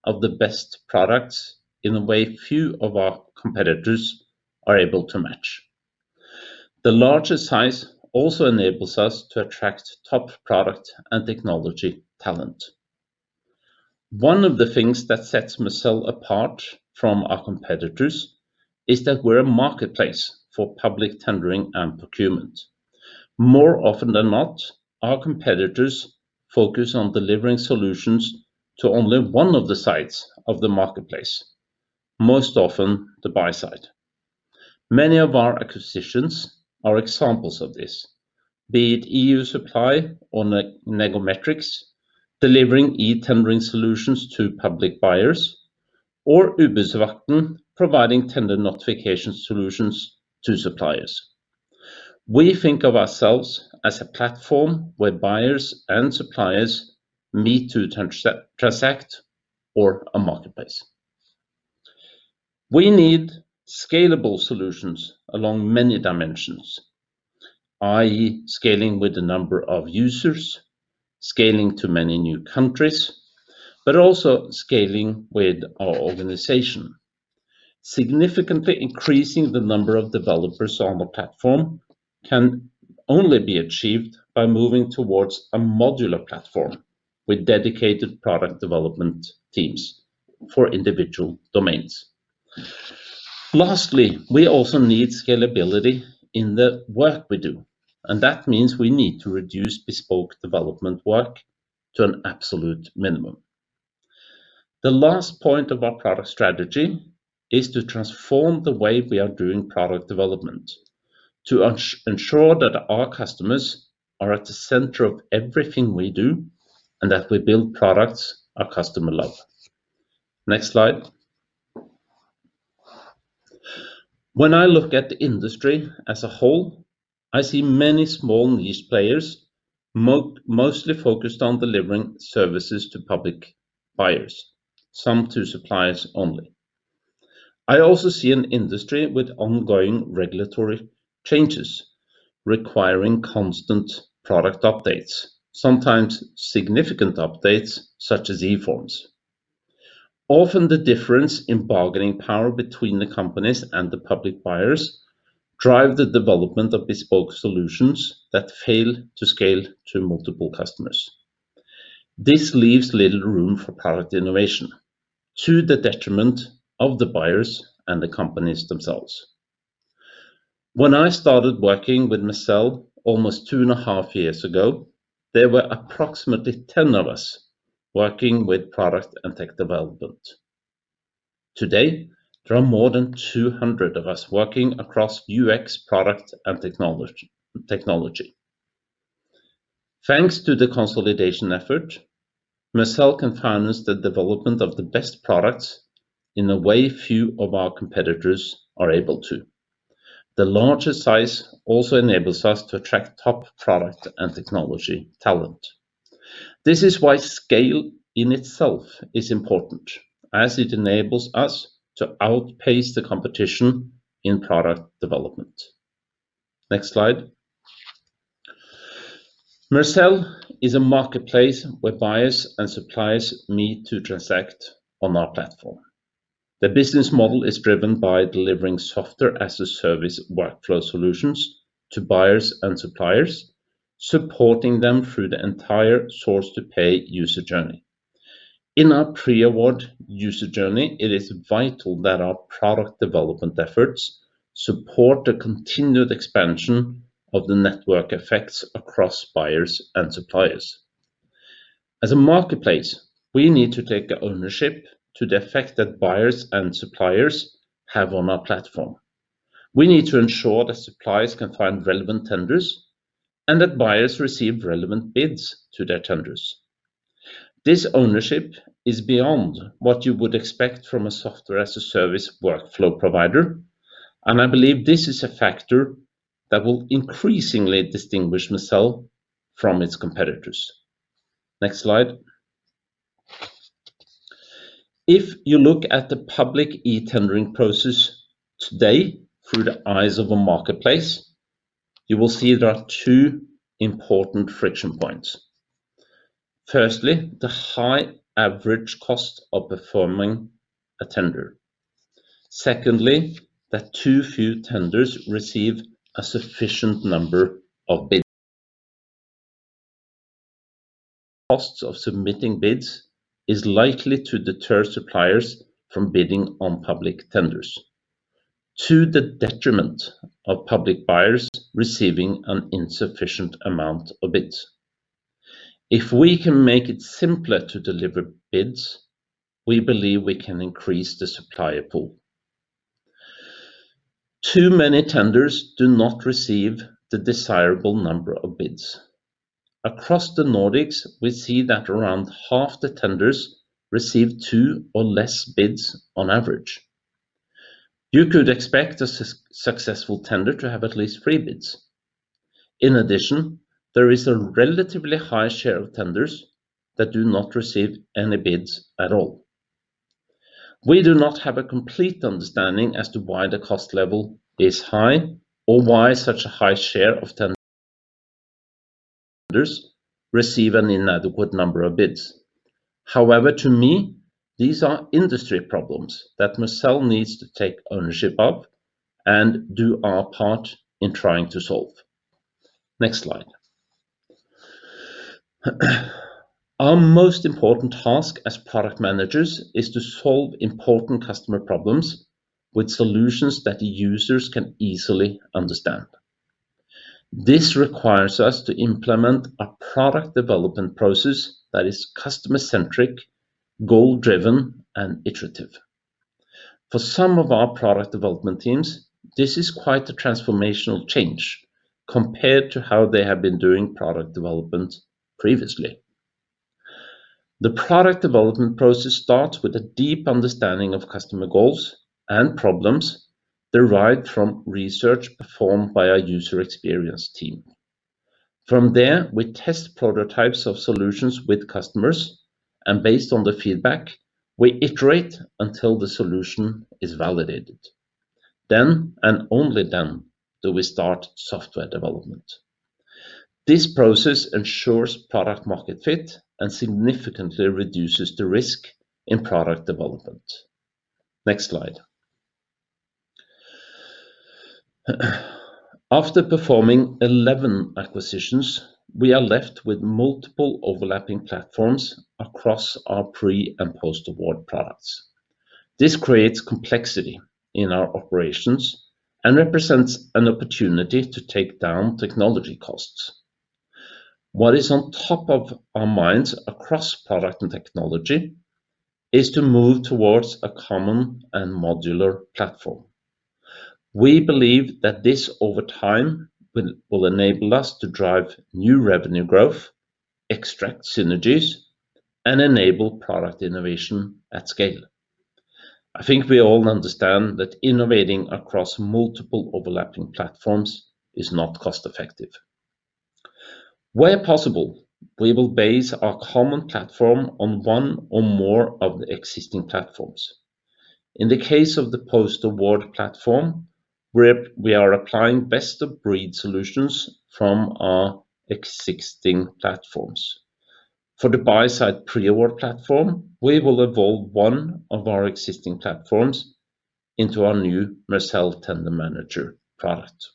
development of the best products in a way few of our competitors are able to match. The larger size also enables us to attract top product and technology talent. One of the things that sets Mercell apart from our competitors is that we're a marketplace for public tendering and procurement. More often than not, our competitors focus on delivering solutions to only one of the sides of the marketplace, most often the buy side. Many of our acquisitions are examples of this. Be it EU Supply or Negometrix, delivering e-tendering solutions to public buyers, or Udbudsvagten providing tender notification solutions to suppliers. We think of ourselves as a platform where buyers and suppliers meet to transact or a marketplace. We need scalable solutions along many dimensions, i.e. scaling with the number of users, scaling to many new countries, but also scaling with our organization. Significantly increasing the number of developers on the platform can only be achieved by moving towards a modular platform with dedicated product development teams for individual domains. Lastly, we also need scalability in the work we do, and that means we need to reduce bespoke development work to an absolute minimum. The last point of our product strategy is to transform the way we are doing product development to ensure that our customers are at the center of everything we do and that we build products our customer love. Next slide. When I look at the industry as a whole, I see many small niche players, mostly focused on delivering services to public buyers, some to suppliers only. I also see an industry with ongoing regulatory changes requiring constant product updates, sometimes significant updates such as eForms. Often the difference in bargaining power between the companies and the public buyers drive the development of bespoke solutions that fail to scale to multiple customers. This leaves little room for product innovation to the detriment of the buyers and the companies themselves. When I started working with Mercell almost two and a half years ago, there were approximately 10 of us working with product and tech development. Today, there are more than 200 of us working across UX, product, and technology. Thanks to the consolidation effort, Mercell can finance the development of the best products in a way few of our competitors are able to. The larger size also enables us to attract top product and technology talent. This is why scale in itself is important, as it enables us to outpace the competition in product development. Next slide. Mercell is a marketplace where buyers and suppliers meet to transact on our platform. The business model is driven by delivering software-as-a-service workflow solutions to buyers and suppliers, supporting them through the entire source-to-pay user journey. In our pre-award user journey, it is vital that our product development efforts support the continued expansion of the network effects across buyers and suppliers. As a marketplace, we need to take ownership to the effect that buyers and suppliers have on our platform. We need to ensure that suppliers can find relevant tenders and that buyers receive relevant bids to their tenders. This ownership is beyond what you would expect from a software-as-a-service workflow provider, and I believe this is a factor that will increasingly distinguish Mercell from its competitors. Next slide. If you look at the public e-tendering process today through the eyes of a marketplace, you will see there are two important friction points. Firstly, the high average cost of performing a tender. Secondly, that too few tenders receive a sufficient number of bids. Costs of submitting bids is likely to deter suppliers from bidding on public tenders, to the detriment of public buyers receiving an insufficient amount of bids. If we can make it simpler to deliver bids, we believe we can increase the supplier pool. Too many tenders do not receive the desirable number of bids. Across the Nordics, we see that around half the tenders receive two or less bids on average. You could expect a successful tender to have at least three bids. In addition, there is a relatively high share of tenders that do not receive any bids at all. We do not have a complete understanding as to why the cost level is high or why such a high share of tenders receive an inadequate number of bids. However, to me, these are industry problems that Mercell needs to take ownership of and do our part in trying to solve. Next slide. Our most important task as product managers is to solve important customer problems with solutions that users can easily understand. This requires us to implement a product development process that is customer-centric, goal-driven, and iterative. For some of our product development teams, this is quite a transformational change compared to how they have been doing product development previously. The product development process starts with a deep understanding of customer goals and problems derived from research performed by our user experience team. From there, we test prototypes of solutions with customers, and based on the feedback, we iterate until the solution is validated. Then, and only then, do we start software development. This process ensures product-market fit and significantly reduces the risk in product development. Next slide. After performing 11 acquisitions, we are left with multiple overlapping platforms across our pre- and post-award products. This creates complexity in our operations and represents an opportunity to take down technology costs. What is on top of our minds across product and technology is to move towards a common and modular platform. We believe that this, over time, will enable us to drive new revenue growth, extract synergies, and enable product innovation at scale. I think we all understand that innovating across multiple overlapping platforms is not cost-effective. Where possible, we will base our common platform on one or more of the existing platforms. In the case of the post-award platform, we are applying best-of-breed solutions from our existing platforms. For the buy-side pre-award platform, we will evolve one of our existing platforms into our new Mercell Tender Manager product.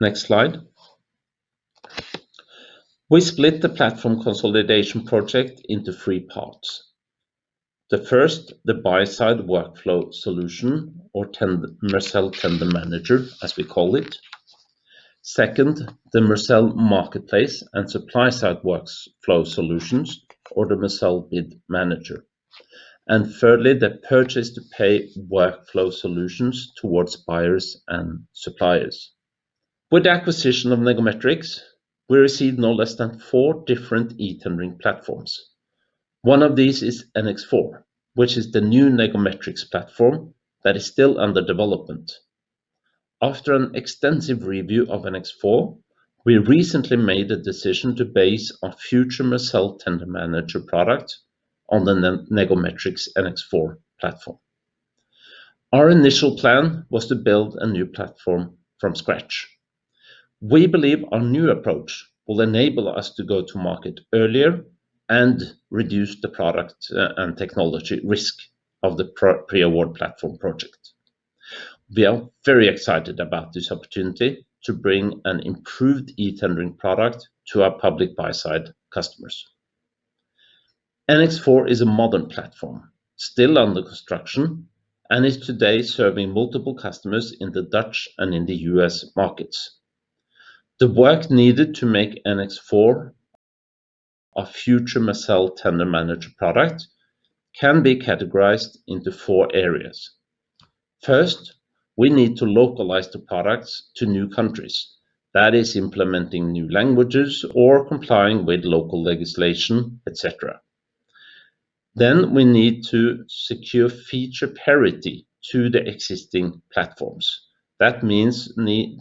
Next slide. We split the platform consolidation project into three parts. The first, the buy-side workflow solution, or Mercell Tender Manager, as we call it. Second, the Mercell Marketplace and supply side workflow solutions, or the Mercell Bid Manager. Thirdly, the purchase-to-pay workflow solutions towards buyers and suppliers. With the acquisition of Negometrix, we received no less than four different e-tendering platforms. One of these is NX4, which is the new Negometrix platform that is still under development. After an extensive review of NX4, we recently made the decision to base our future Mercell Tender Manager product on the Negometrix NX4 platform. Our initial plan was to build a new platform from scratch. We believe our new approach will enable us to go to market earlier and reduce the product and technology risk of the pre-award platform project. We are very excited about this opportunity to bring an improved e-tendering product to our public buy-side customers. NX4 is a modern platform, still under construction, and is today serving multiple customers in the Dutch and in the U.S. markets. The work needed to make NX4 our future Mercell Tender Manager product can be categorized into four areas. First, we need to localize the products to new countries. That is implementing new languages or complying with local legislation, et cetera. We need to secure feature parity to the existing platforms. That means we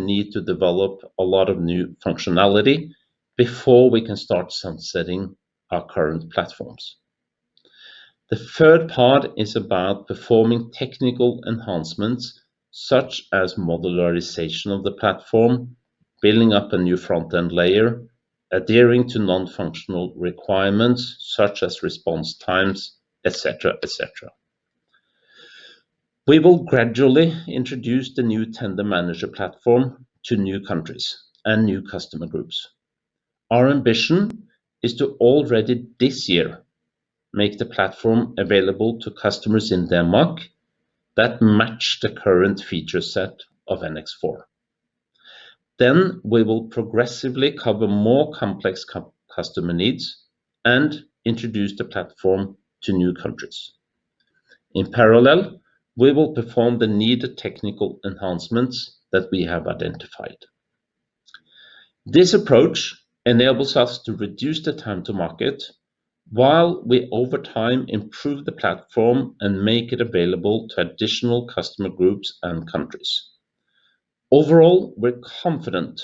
need to develop a lot of new functionality before we can start sunsetting our current platforms. The third part is about performing technical enhancements such as modularization of the platform, building up a new front-end layer, adhering to non-functional requirements such as response times, et cetera. We will gradually introduce the new Tender Manager platform to new countries and new customer groups. Our ambition is to, already this year, make the platform available to customers in Denmark that match the current feature set of NX4. We will progressively cover more complex customer needs and introduce the platform to new countries. In parallel, we will perform the needed technical enhancements that we have identified. This approach enables us to reduce the time to market while we, over time, improve the platform and make it available to additional customer groups and countries. Overall, we're confident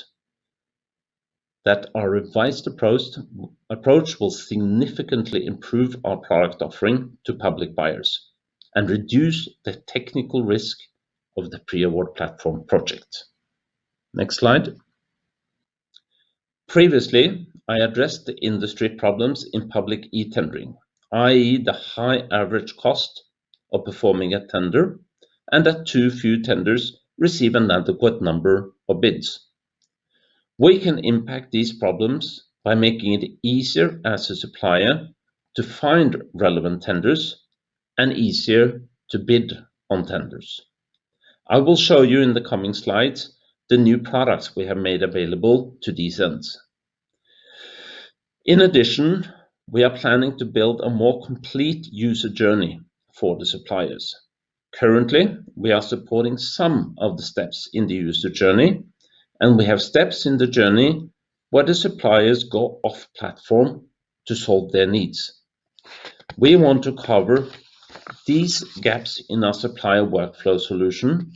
that our revised approach will significantly improve our product offering to public buyers and reduce the technical risk of the pre-award platform project. Next slide. Previously, I addressed the industry problems in public e-tendering, i.e. the high average cost of performing a tender and that too few tenders receive an adequate number of bids. We can impact these problems by making it easier as a supplier to find relevant tenders and easier to bid on tenders. I will show you in the coming slides the new products we have made available to these ends. In addition, we are planning to build a more complete user journey for the suppliers. Currently, we are supporting some of the steps in the user journey, and we have steps in the journey where the suppliers go off-platform to solve their needs. We want to cover these gaps in our supplier workflow solution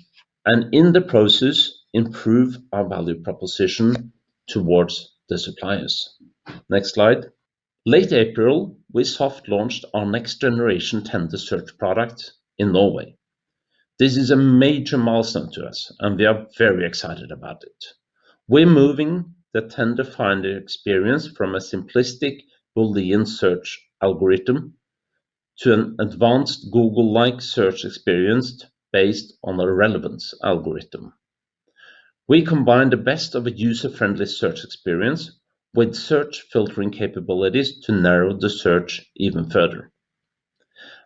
and, in the process, improve our value proposition towards the suppliers. Next slide. Late April, we soft-launched our next-generation tender search product in Norway. This is a major milestone to us, and we are very excited about it. We're moving the tender finder experience from a simplistic Boolean search algorithm to an advanced Google-like search experience based on a relevance algorithm. We combine the best of a user-friendly search experience with search filtering capabilities to narrow the search even further.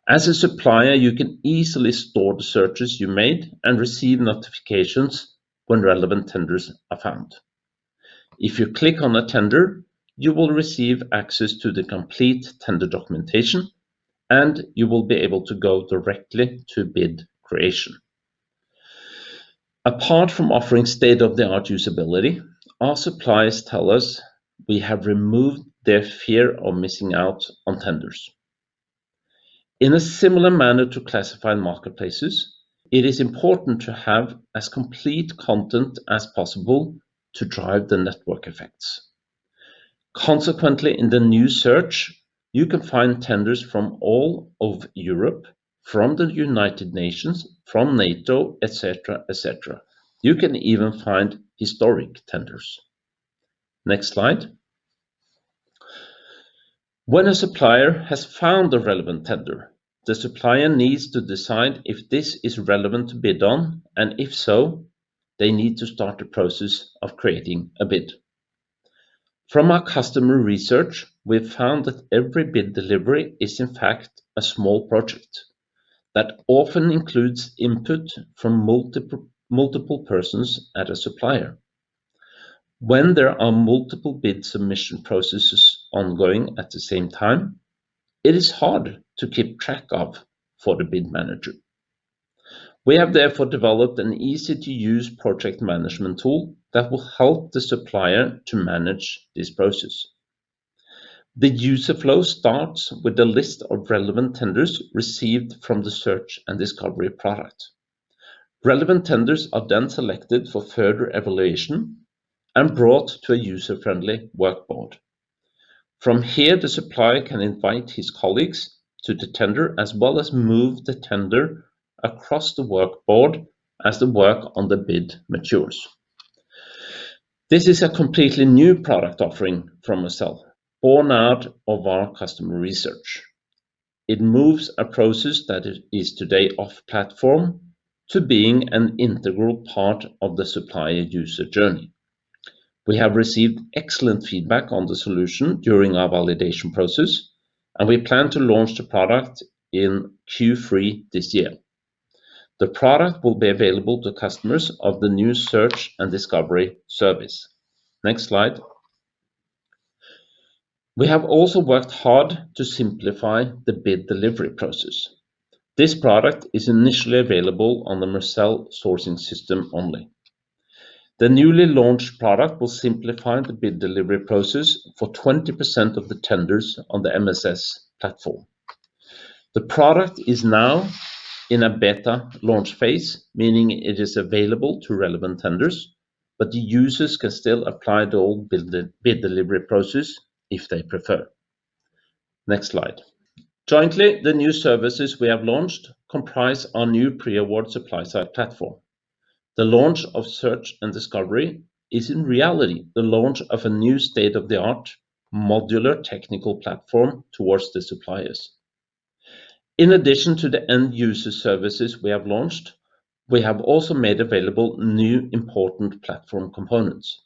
As a supplier, you can easily store the searches you made and receive notifications when relevant tenders are found. If you click on a tender, you will receive access to the complete tender documentation, and you will be able to go directly to bid creation. Apart from offering state-of-the-art usability, our suppliers tell us we have removed their fear of missing out on tenders. In a similar manner to classified marketplaces, it is important to have as complete content as possible to drive the network effects. Consequently, in the new search, you can find tenders from all over Europe, from the United Nations, from NATO, et cetera. You can even find historic tenders. Next slide. When a supplier has found a relevant tender, the supplier needs to decide if this is relevant to bid on, and if so, they need to start the process of creating a bid. From our customer research, we've found that every bid delivery is in fact a small project that often includes input from multiple persons at a supplier. When there are multiple bid submission processes ongoing at the same time, it is hard to keep track of for the bid manager. We have therefore developed an easy-to-use project management tool that will help the supplier to manage this process. The user flow starts with a list of relevant tenders received from the search and discovery product. Relevant tenders are then selected for further evaluation and brought to a user-friendly workboard. From here, the supplier can invite his colleagues to the tender, as well as move the tender across the workboard as the work on the bid matures. This is a completely new product offering from Mercell, born out of our customer research. It moves a process that is today off-platform to being an integral part of the supplier user journey. We have received excellent feedback on the solution during our validation process, and we plan to launch the product in Q3 this year. The product will be available to customers of the new search and discovery service. Next slide. We have also worked hard to simplify the bid delivery process. This product is initially available on the Mercell Sourcing Service only. The newly launched product will simplify the bid delivery process for 20% of the tenders on the MSS platform. The product is now in a beta launch phase, meaning it is available to relevant tenders, but the users can still apply the old bid delivery process if they prefer. Next slide. Jointly, the new services we have launched comprise our new pre-award supply side platform. The launch of search and discovery is in reality the launch of a new state-of-the-art modular technical platform towards the suppliers. In addition to the end-user services we have launched, we have also made available new important platform components.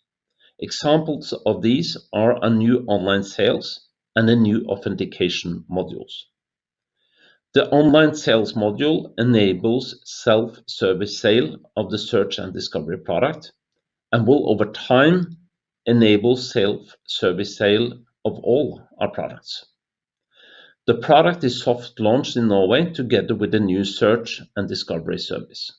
Examples of these are a new online sales and the new authentication modules. The online sales module enables self-service sale of the search and discovery product and will over time enable self-service sale of all our products. The product is soft launched in Norway together with a new search and discovery service.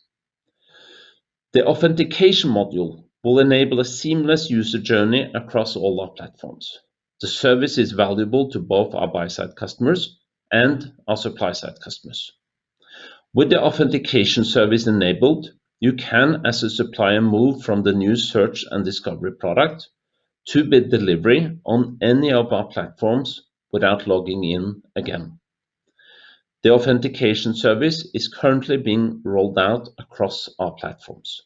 The authentication module will enable a seamless user journey across all our platforms. The service is valuable to both our buy-side customers and our supply-side customers. With the authentication service enabled, you can, as a supplier, move from the new search and discovery product to bid delivery on any of our platforms without logging in again. The authentication service is currently being rolled out across our platforms.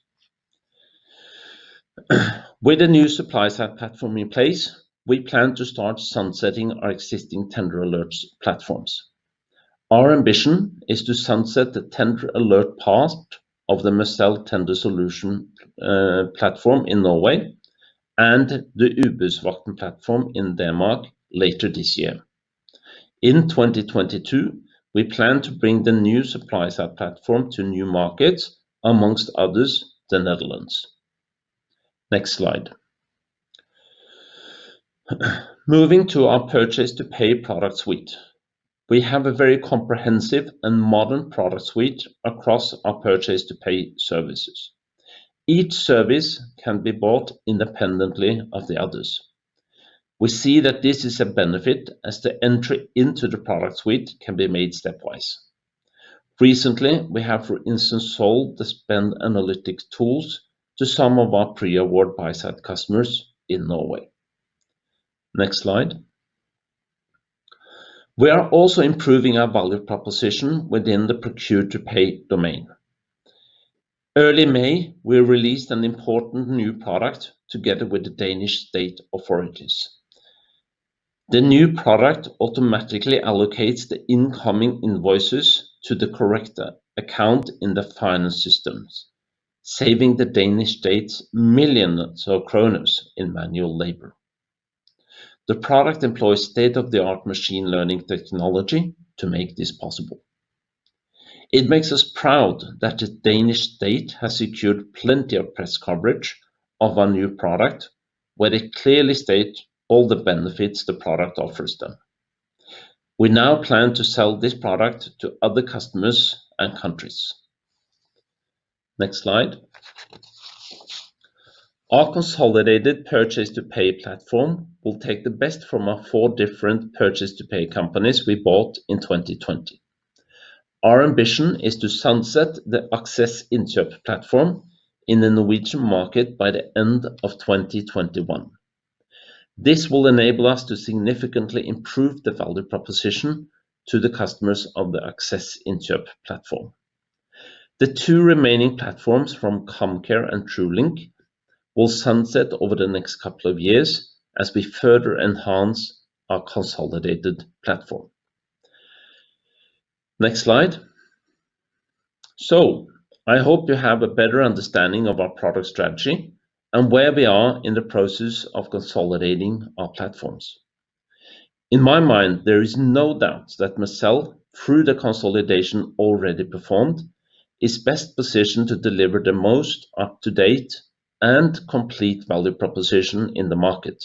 With the new supply-side platform in place, we plan to start sunsetting our existing tender alerts platforms. Our ambition is to sunset the tender alert part of the Mercell Tender Solution platform in Norway and the Udbudsvagten platform in Denmark later this year. In 2022, we plan to bring the new supply-side platform to new markets, amongst others, the Netherlands. Next slide. Moving to our purchase-to-pay product suite. We have a very comprehensive and modern product suite across our purchase-to-pay services. Each service can be bought independently of the others. We see that this is a benefit as the entry into the product suite can be made stepwise. Recently, we have, for instance, sold the spend analytics tools to some of our pre-award buy-side customers in Norway. Next slide. We are also improving our value proposition within the procure-to-pay domain. Early May, we released an important new product together with the Danish state authorities. The new product automatically allocates the incoming invoices to the correct account in the finance systems, saving the Danish state millions of NOK in manual labor. The product employs state-of-the-art machine learning technology to make this possible. It makes us proud that the Danish state has secured plenty of press coverage of our new product, where they clearly state all the benefits the product offers them. We now plan to sell this product to other customers and countries. Next slide. Our consolidated purchase-to-pay platform will take the best from our four different purchase-to-pay companies we bought in 2020. Our ambition is to sunset the Aksess Innkjøp platform in the Norwegian market by the end of 2021. This will enable us to significantly improve the value proposition to the customers of the Aksess Innkjøp platform. The two remaining platforms from Comcare and Truelink will sunset over the next couple of years as we further enhance our consolidated platform. Next slide. I hope you have a better understanding of our product strategy and where we are in the process of consolidating our platforms. In my mind, there is no doubt that Mercell, through the consolidation already performed, is best positioned to deliver the most up-to-date and complete value proposition in the market.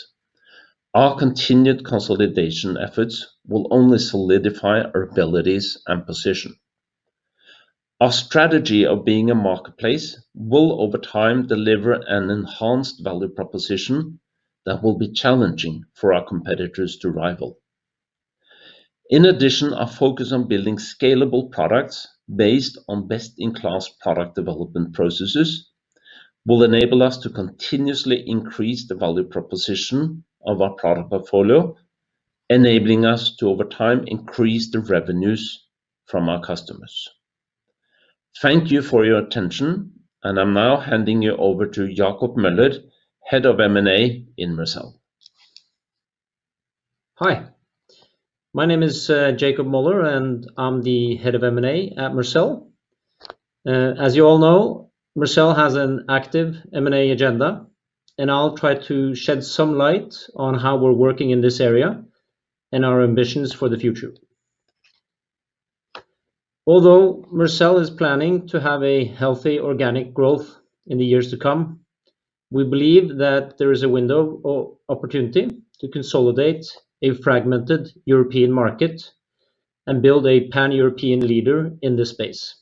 Our continued consolidation efforts will only solidify our abilities and position. Our strategy of being a marketplace will, over time, deliver an enhanced value proposition that will be challenging for our competitors to rival. In addition, our focus on building scalable products based on best-in-class product development processes will enable us to continuously increase the value proposition of our product portfolio, enabling us to, over time, increase the revenues from our customers. Thank you for your attention. I'm now handing you over to Jacob Møller, Head of M&A in Mercell. Hi, my name is Jacob Møller, and I'm the Head of M&A at Mercell. As you all know, Mercell has an active M&A agenda, and I'll try to shed some light on how we're working in this area and our ambitions for the future. Although Mercell is planning to have a healthy organic growth in the years to come, we believe that there is a window of opportunity to consolidate a fragmented European market and build a pan-European leader in this space.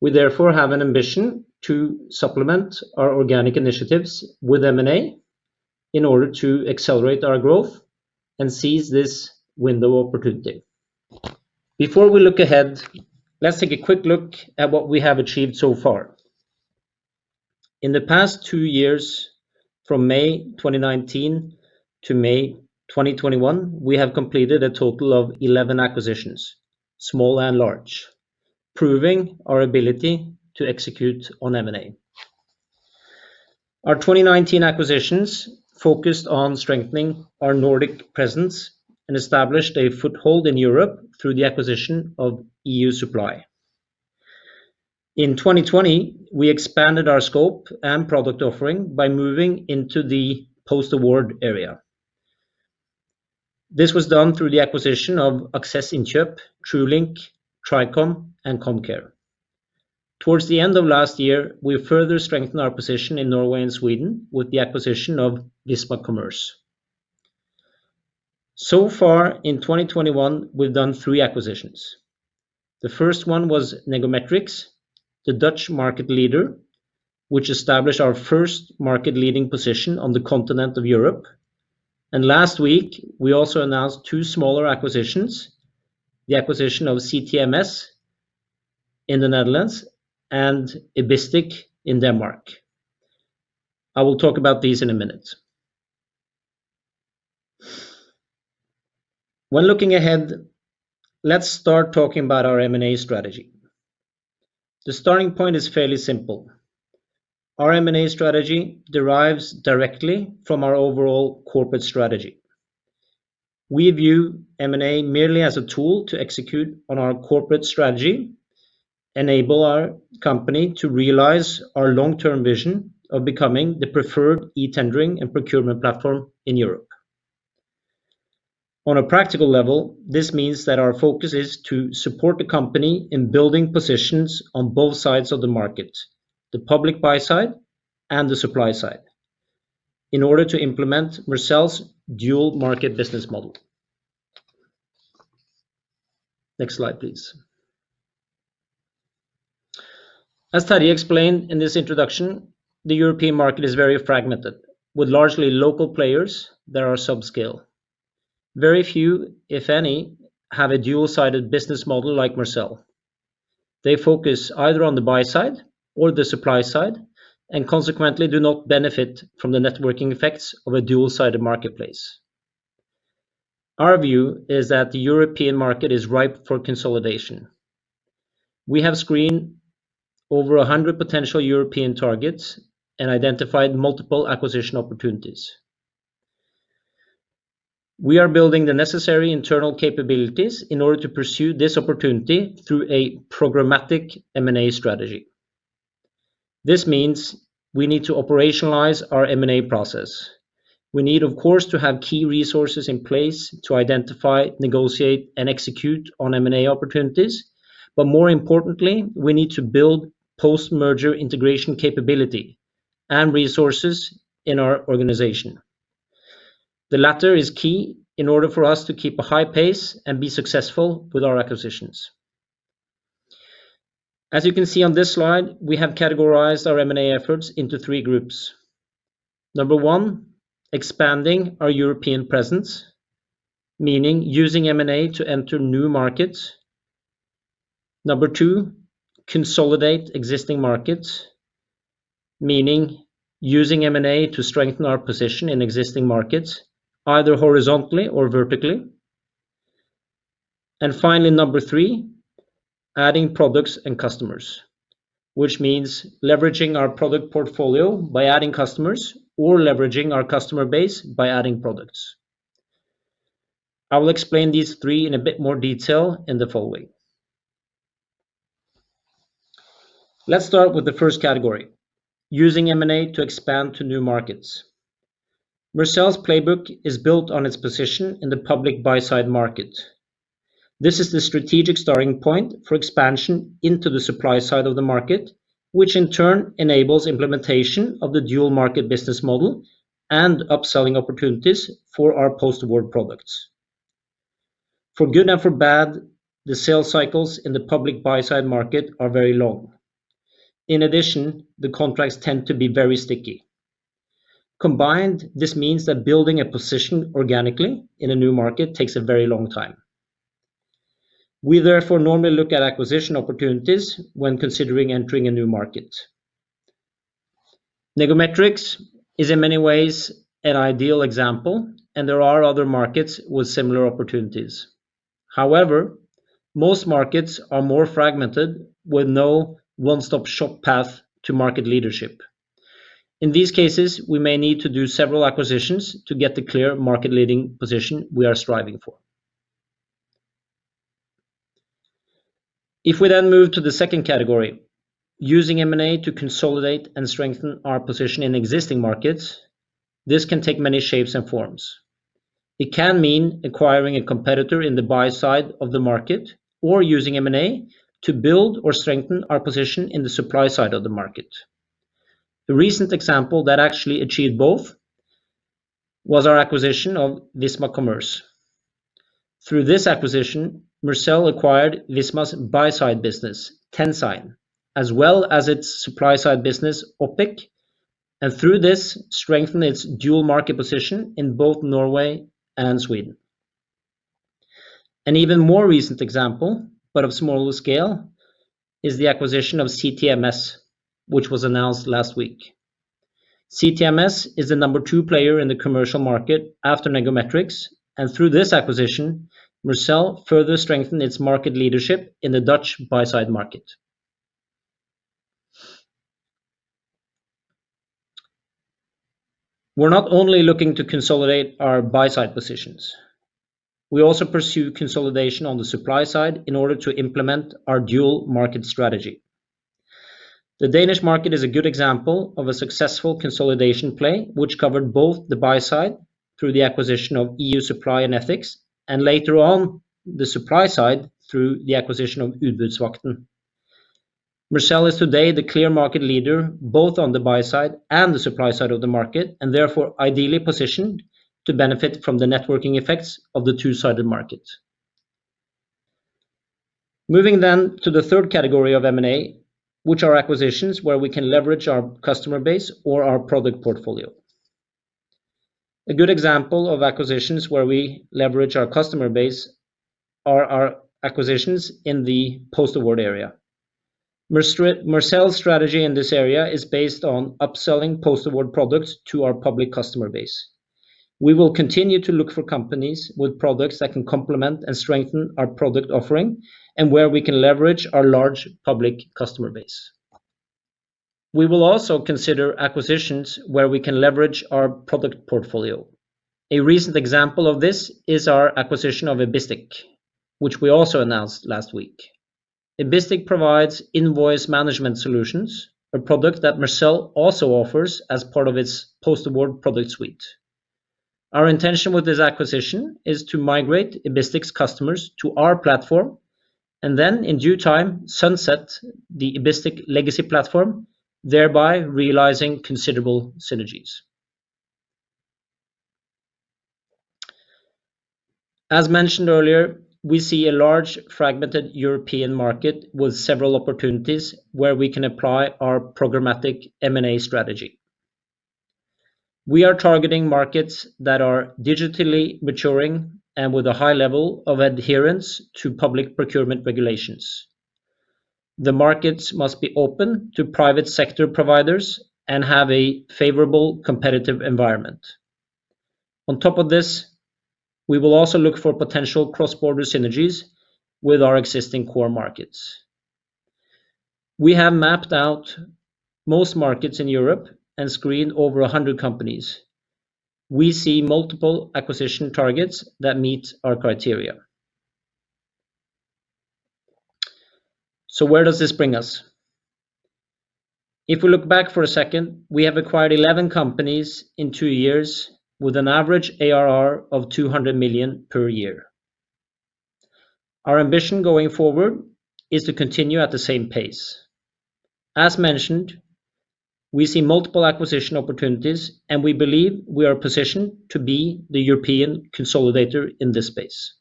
We therefore have an ambition to supplement our organic initiatives with M&A in order to accelerate our growth and seize this window of opportunity. Before we look ahead, let's take a quick look at what we have achieved so far. In the past two years, from May 2019 to May 2021, we have completed a total of 11 acquisitions, small and large, proving our ability to execute on M&A. Our 2019 acquisitions focused on strengthening our Nordic presence and established a foothold in Europe through the acquisition of EU Supply. In 2020, we expanded our scope and product offering by moving into the post-award area. This was done through the acquisition of Aksess Innkjøp, Truelink, Tricom, and Comcare AS. Towards the end of last year, we further strengthened our position in Norway and Sweden with the acquisition of Visma Commerce. Far in 2021, we've done three acquisitions. The first one was Negometrix, the Dutch market leader, which established our first market-leading position on the continent of Europe. Last week, we also announced two smaller acquisitions, the acquisition of CTMS in the Netherlands and Ibistic in Denmark. I will talk about these in a minute. When looking ahead, let's start talking about our M&A strategy. The starting point is fairly simple. Our M&A strategy derives directly from our overall corporate strategy. We view M&A merely as a tool to execute on our corporate strategy, enable our company to realize our long-term vision of becoming the preferred e-tendering and procurement platform in Europe. On a practical level, this means that our focus is to support the company in building positions on both sides of the market, the public buy side and the supply side, in order to implement Mercell's dual market business model. Next slide, please. As Terje explained in his introduction, the European market is very fragmented, with largely local players that are subscale. Very few, if any, have a dual-sided business model like Mercell. They focus either on the buy side or the supply side and consequently do not benefit from the networking effects of a dual-sided marketplace. Our view is that the European market is ripe for consolidation. We have screened over 100 potential European targets and identified multiple acquisition opportunities. We are building the necessary internal capabilities in order to pursue this opportunity through a programmatic M&A strategy. This means we need to operationalize our M&A process. We need, of course, to have key resources in place to identify, negotiate, and execute on M&A opportunities. More importantly, we need to build post-merger integration capability and resources in our organization. The latter is key in order for us to keep a high pace and be successful with our acquisitions. As you can see on this slide, we have categorized our M&A efforts into three groups. Number one, expanding our European presence, meaning using M&A to enter new markets. Number 2, consolidate existing markets, meaning using M&A to strengthen our position in existing markets, either horizontally or vertically. Finally, number 3, adding products and customers, which means leveraging our product portfolio by adding customers or leveraging our customer base by adding products. I will explain these three in a bit more detail in the following. Let's start with the first category, using M&A to expand to new markets. Mercell's playbook is built on its position in the public buy-side market. This is the strategic starting point for expansion into the supply side of the market, which in turn enables implementation of the dual market business model and upselling opportunities for our post-award products. For good and for bad, the sales cycles in the public buy-side market are very long. In addition, the contracts tend to be very sticky. Combined, this means that building a position organically in a new market takes a very long time. We therefore normally look at acquisition opportunities when considering entering a new market. Negometrix is in many ways an ideal example. There are other markets with similar opportunities. However, most markets are more fragmented with no one-stop-shop path to market leadership. In these cases, we may need to do several acquisitions to get the clear market-leading position we are striving for. If we then move to the second category, using M&A to consolidate and strengthen our position in existing markets, this can take many shapes and forms. It can mean acquiring a competitor in the buy side of the market or using M&A to build or strengthen our position in the supply side of the market. The recent example that actually achieved both was our acquisition of Visma Commerce. Through this acquisition, Mercell acquired Visma's buy-side business, TendSign, as well as its supply-side business, Opic, and through this, strengthened its dual market position in both Norway and Sweden. An even more recent example, but of smaller scale, is the acquisition of CTMS, which was announced last week. CTMS is the number two player in the commercial market after Negometrix, and through this acquisition, Mercell further strengthened its market leadership in the Dutch buy-side market. We're not only looking to consolidate our buy-side positions. We also pursue consolidation on the supply side in order to implement our dual market strategy. The Danish market is a good example of a successful consolidation play which covered both the buy side through the acquisition of EU Supply and Ethix, and later on the supply side through the acquisition of Udbudsvagten. Mercell is today the clear market leader both on the buy side and the supply side of the market, and therefore ideally positioned to benefit from the networking effects of the two-sided market. To the third category of M&A, which are acquisitions where we can leverage our customer base or our product portfolio. A good example of acquisitions where we leverage our customer base are our acquisitions in the post-award area. Mercell's strategy in this area is based on upselling post-award products to our public customer base. We will continue to look for companies with products that can complement and strengthen our product offering and where we can leverage our large public customer base. We will also consider acquisitions where we can leverage our product portfolio. A recent example of this is our acquisition of Ibistic, which we also announced last week. Ibistic provides invoice management solutions, a product that Mercell also offers as part of its post-award product suite. Our intention with this acquisition is to migrate Ibistic's customers to our platform and then in due time, sunset the Ibistic legacy platform, thereby realizing considerable synergies. As mentioned earlier, we see a large fragmented European market with several opportunities where we can apply our programmatic M&A strategy. We are targeting markets that are digitally maturing and with a high level of adherence to public procurement regulations. The markets must be open to private sector providers and have a favorable competitive environment. On top of this, we will also look for potential cross-border synergies with our existing core markets. We have mapped out most markets in Europe and screened over 100 companies. We see multiple acquisition targets that meet our criteria. Where does this bring us? If we look back for a second, we have acquired 11 companies in two years with an average ARR of 200 million per year. Our ambition going forward is to continue at the same pace. As mentioned, we see multiple acquisition opportunities, and we believe we are positioned to be the European consolidator in this space.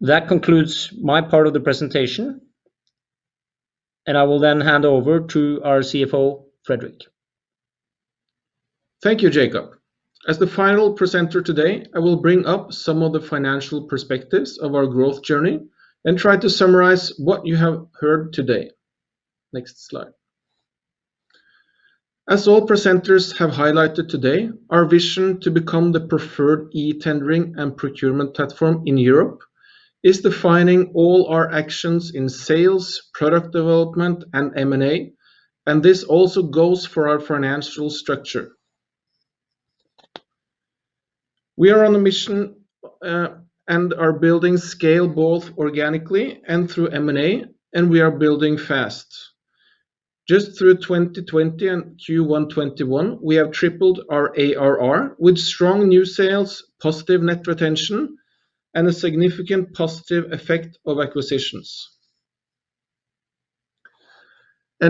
That concludes my part of the presentation, and I will then hand over to our CFO, Fredrik. Thank you, Jacob. As the final presenter today, I will bring up some of the financial perspectives of our growth journey and try to summarize what you have heard today. Next slide. As all presenters have highlighted today, our vision to become the preferred e-tendering and procurement platform in Europe is defining all our actions in sales, product development, and M&A, and this also goes for our financial structure. We are on a mission and are building scale both organically and through M&A, and we are building fast. Just through 2020 and Q1 2021, we have tripled our ARR with strong new sales, positive net retention, and a significant positive effect of acquisitions.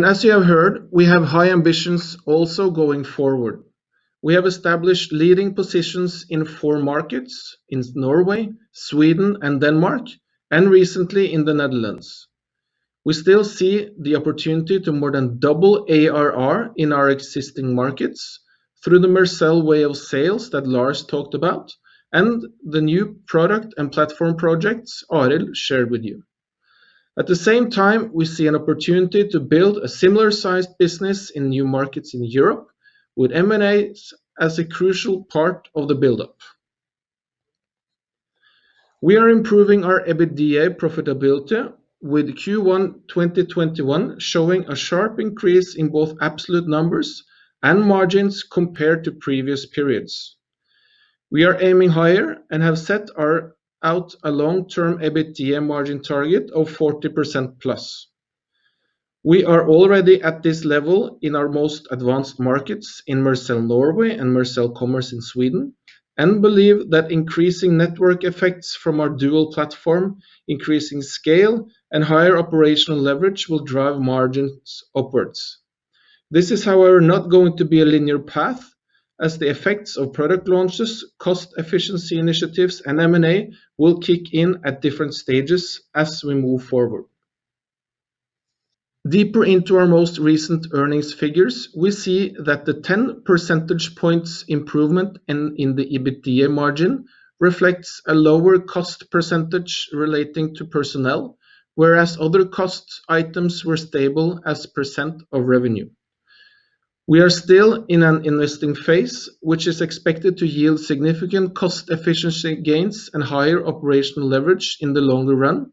As you have heard, we have high ambitions also going forward. We have established leading positions in four markets, in Norway, Sweden, and Denmark, and recently in the Netherlands. We still see the opportunity to more than double ARR in our existing markets through the Mercell Way of Sales that Lars talked about and the new product and platform projects Arild shared with you. At the same time, we see an opportunity to build a similar-sized business in new markets in Europe with M&A as a crucial part of the buildup. We are improving our EBITDA profitability, with Q1 2021 showing a sharp increase in both absolute numbers and margins compared to previous periods. We are aiming higher and have set out a long-term EBITDA margin target of 40% plus. We are already at this level in our most advanced markets in Mercell Norway and Visma Commerce in Sweden, and believe that increasing network effects from our dual platform, increasing scale, and higher operational leverage will drive margins upwards. This is, however, not going to be a linear path as the effects of product launches, cost efficiency initiatives, and M&A will kick in at different stages as we move forward. Deeper into our most recent earnings figures, we see that the 10 percentage points improvement in the EBITDA margin reflects a lower cost percentage relating to personnel, whereas other cost items were stable as a % of revenue. We are still in an investing phase, which is expected to yield significant cost efficiency gains and higher operational leverage in the longer run,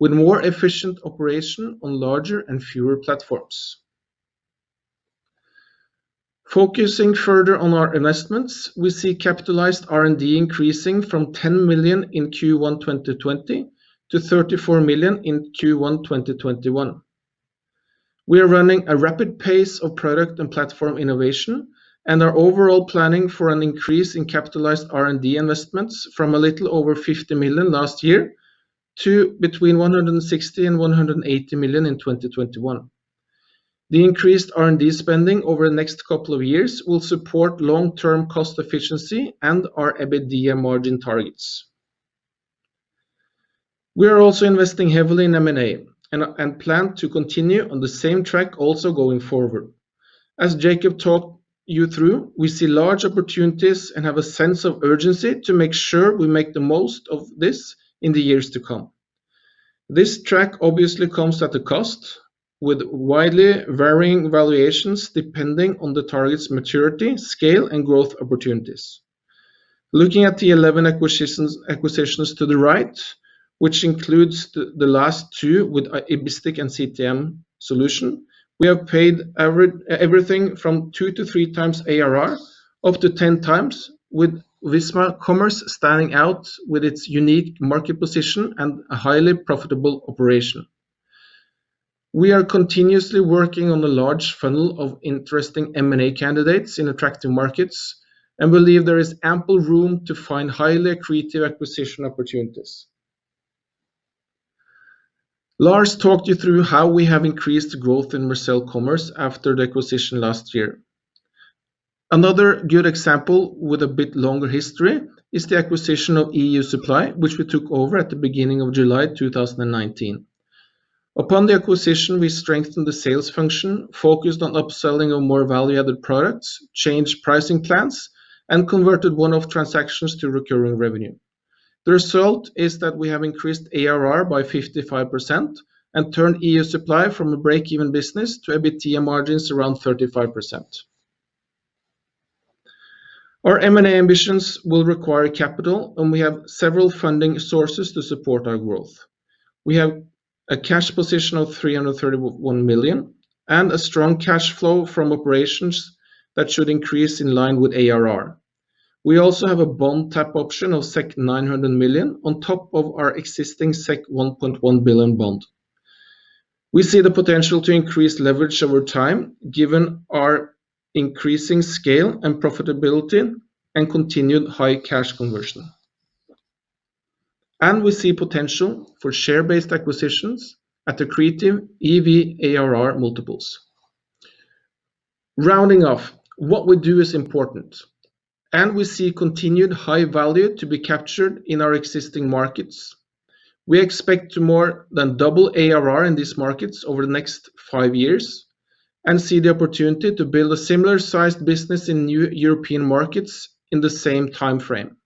with more efficient operation on larger and fewer platforms. Focusing further on our investments, we see capitalized R&D increasing from 10 million in Q1 2020 to 34 million in Q1 2021. We are running a rapid pace of product and platform innovation and are overall planning for an increase in capitalized R&D investments from a little over 50 million last year to between 160 million and 180 million in 2021. The increased R&D spending over the next couple of years will support long-term cost efficiency and our EBITDA margin targets. We are also investing heavily in M&A and plan to continue on the same track also going forward. Jacob talked you through, we see large opportunities and have a sense of urgency to make sure we make the most of this in the years to come. This track obviously comes at a cost, with widely varying valuations depending on the target's maturity, scale, and growth opportunities. Looking at the 11 acquisitions to the right, which includes the last two with Ibistic and CTM Solution, we have paid everything from 2 to 3 times ARR, up to 10 times, with Visma Commerce standing out with its unique market position and a highly profitable operation. We are continuously working on a large funnel of interesting M&A candidates in attractive markets and believe there is ample room to find highly accretive acquisition opportunities. Lars talked you through how we have increased the growth in Mercell Commerce after the acquisition last year. Another good example with a bit longer history is the acquisition of EU Supply, which we took over at the beginning of July 2019. Upon the acquisition, we strengthened the sales function, focused on upselling on more value-added products, changed pricing plans, and converted one-off transactions to recurring revenue. The result is that we have increased ARR by 55% and turned EU Supply from a break-even business to EBITDA margins around 35%. Our M&A ambitions will require capital, and we have several funding sources to support our growth. We have a cash position of 331 million and a strong cash flow from operations that should increase in line with ARR. We also have a bond tap option of 900 million on top of our existing 1.1 billion bond. We see the potential to increase leverage over time given our increasing scale and profitability and continued high cash conversion. We see potential for share-based acquisitions at accretive EV/ARR multiples. Rounding off, what we do is important, and we see continued high value to be captured in our existing markets. We expect to more than double ARR in these markets over the next five years and see the opportunity to build a similar-sized business in new European markets in the same time frame.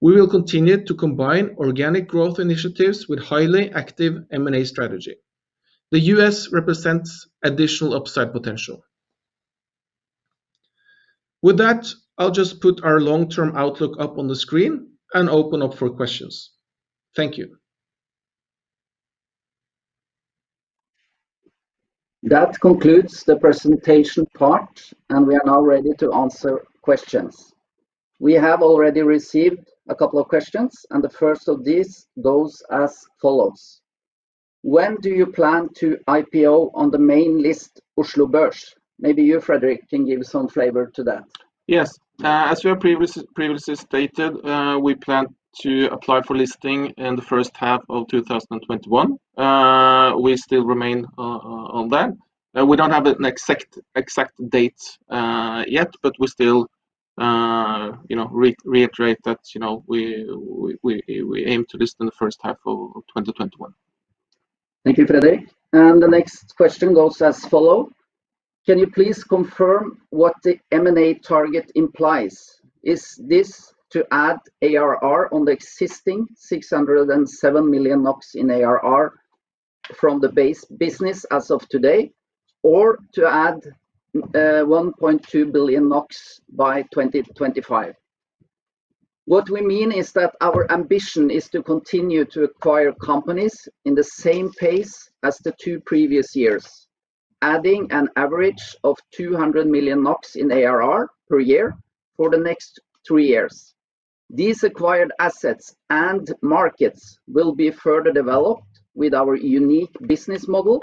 We will continue to combine organic growth initiatives with highly active M&A strategy. The U.S. represents additional upside potential. With that, I'll just put our long-term outlook up on the screen and open up for questions. Thank you. That concludes the presentation part, and we are now ready to answer questions. We have already received a couple of questions, and the first of these goes as follows. When do you plan to IPO on the main list, Oslo Børs? Maybe you, Fredrik, can give some flavor to that. Yes. As we have previously stated, we plan to apply for listing in the first half of 2021. We still remain on that. We don't have an exact date yet, but we still reiterate that we aim to list in the first half of 2021. Thank you, Fredrik. The next question goes as follows. Can you please confirm what the M&A target implies? Is this to add ARR on the existing 607 million NOK in ARR from the base business as of today, or to add 1.2 billion NOK by 2025? What we mean is that our ambition is to continue to acquire companies in the same pace as the two previous years, adding an average of 200 million NOK in ARR per year for the next three years. These acquired assets and markets will be further developed with our unique business model,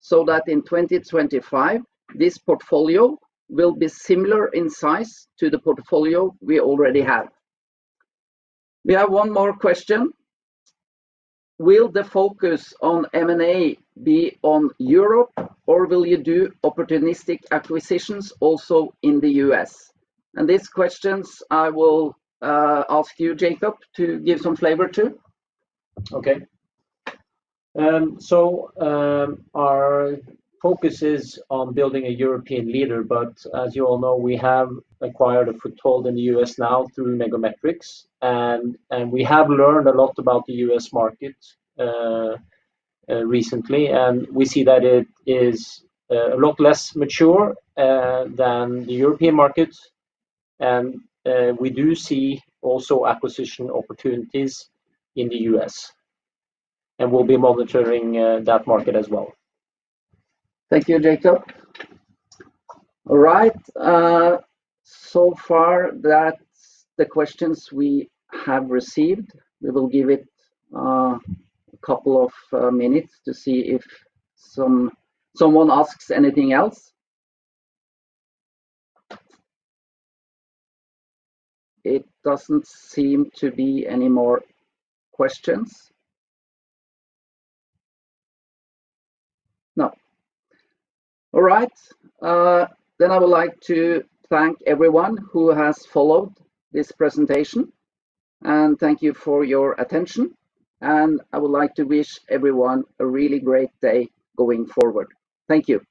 so that in 2025, this portfolio will be similar in size to the portfolio we already have. We have one more question. Will the focus on M&A be on Europe, or will you do opportunistic acquisitions also in the U.S.? These questions I will ask you, Jacob, to give some flavor to. Okay. Our focus is on building a European leader, but as you all know, we have acquired a foothold in the U.S. now through Negometrix. We have learned a lot about the U.S. market recently, and we see that it is a lot less mature than the European market. We do see also acquisition opportunities in the U.S., and we'll be monitoring that market as well. Thank you, Jacob. All right. So far, that's the questions we have received. We will give it a couple of minutes to see if someone asks anything else. It doesn't seem to be any more questions. No. All right. I would like to thank everyone who has followed this presentation, and thank you for your attention. I would like to wish everyone a really great day going forward. Thank you.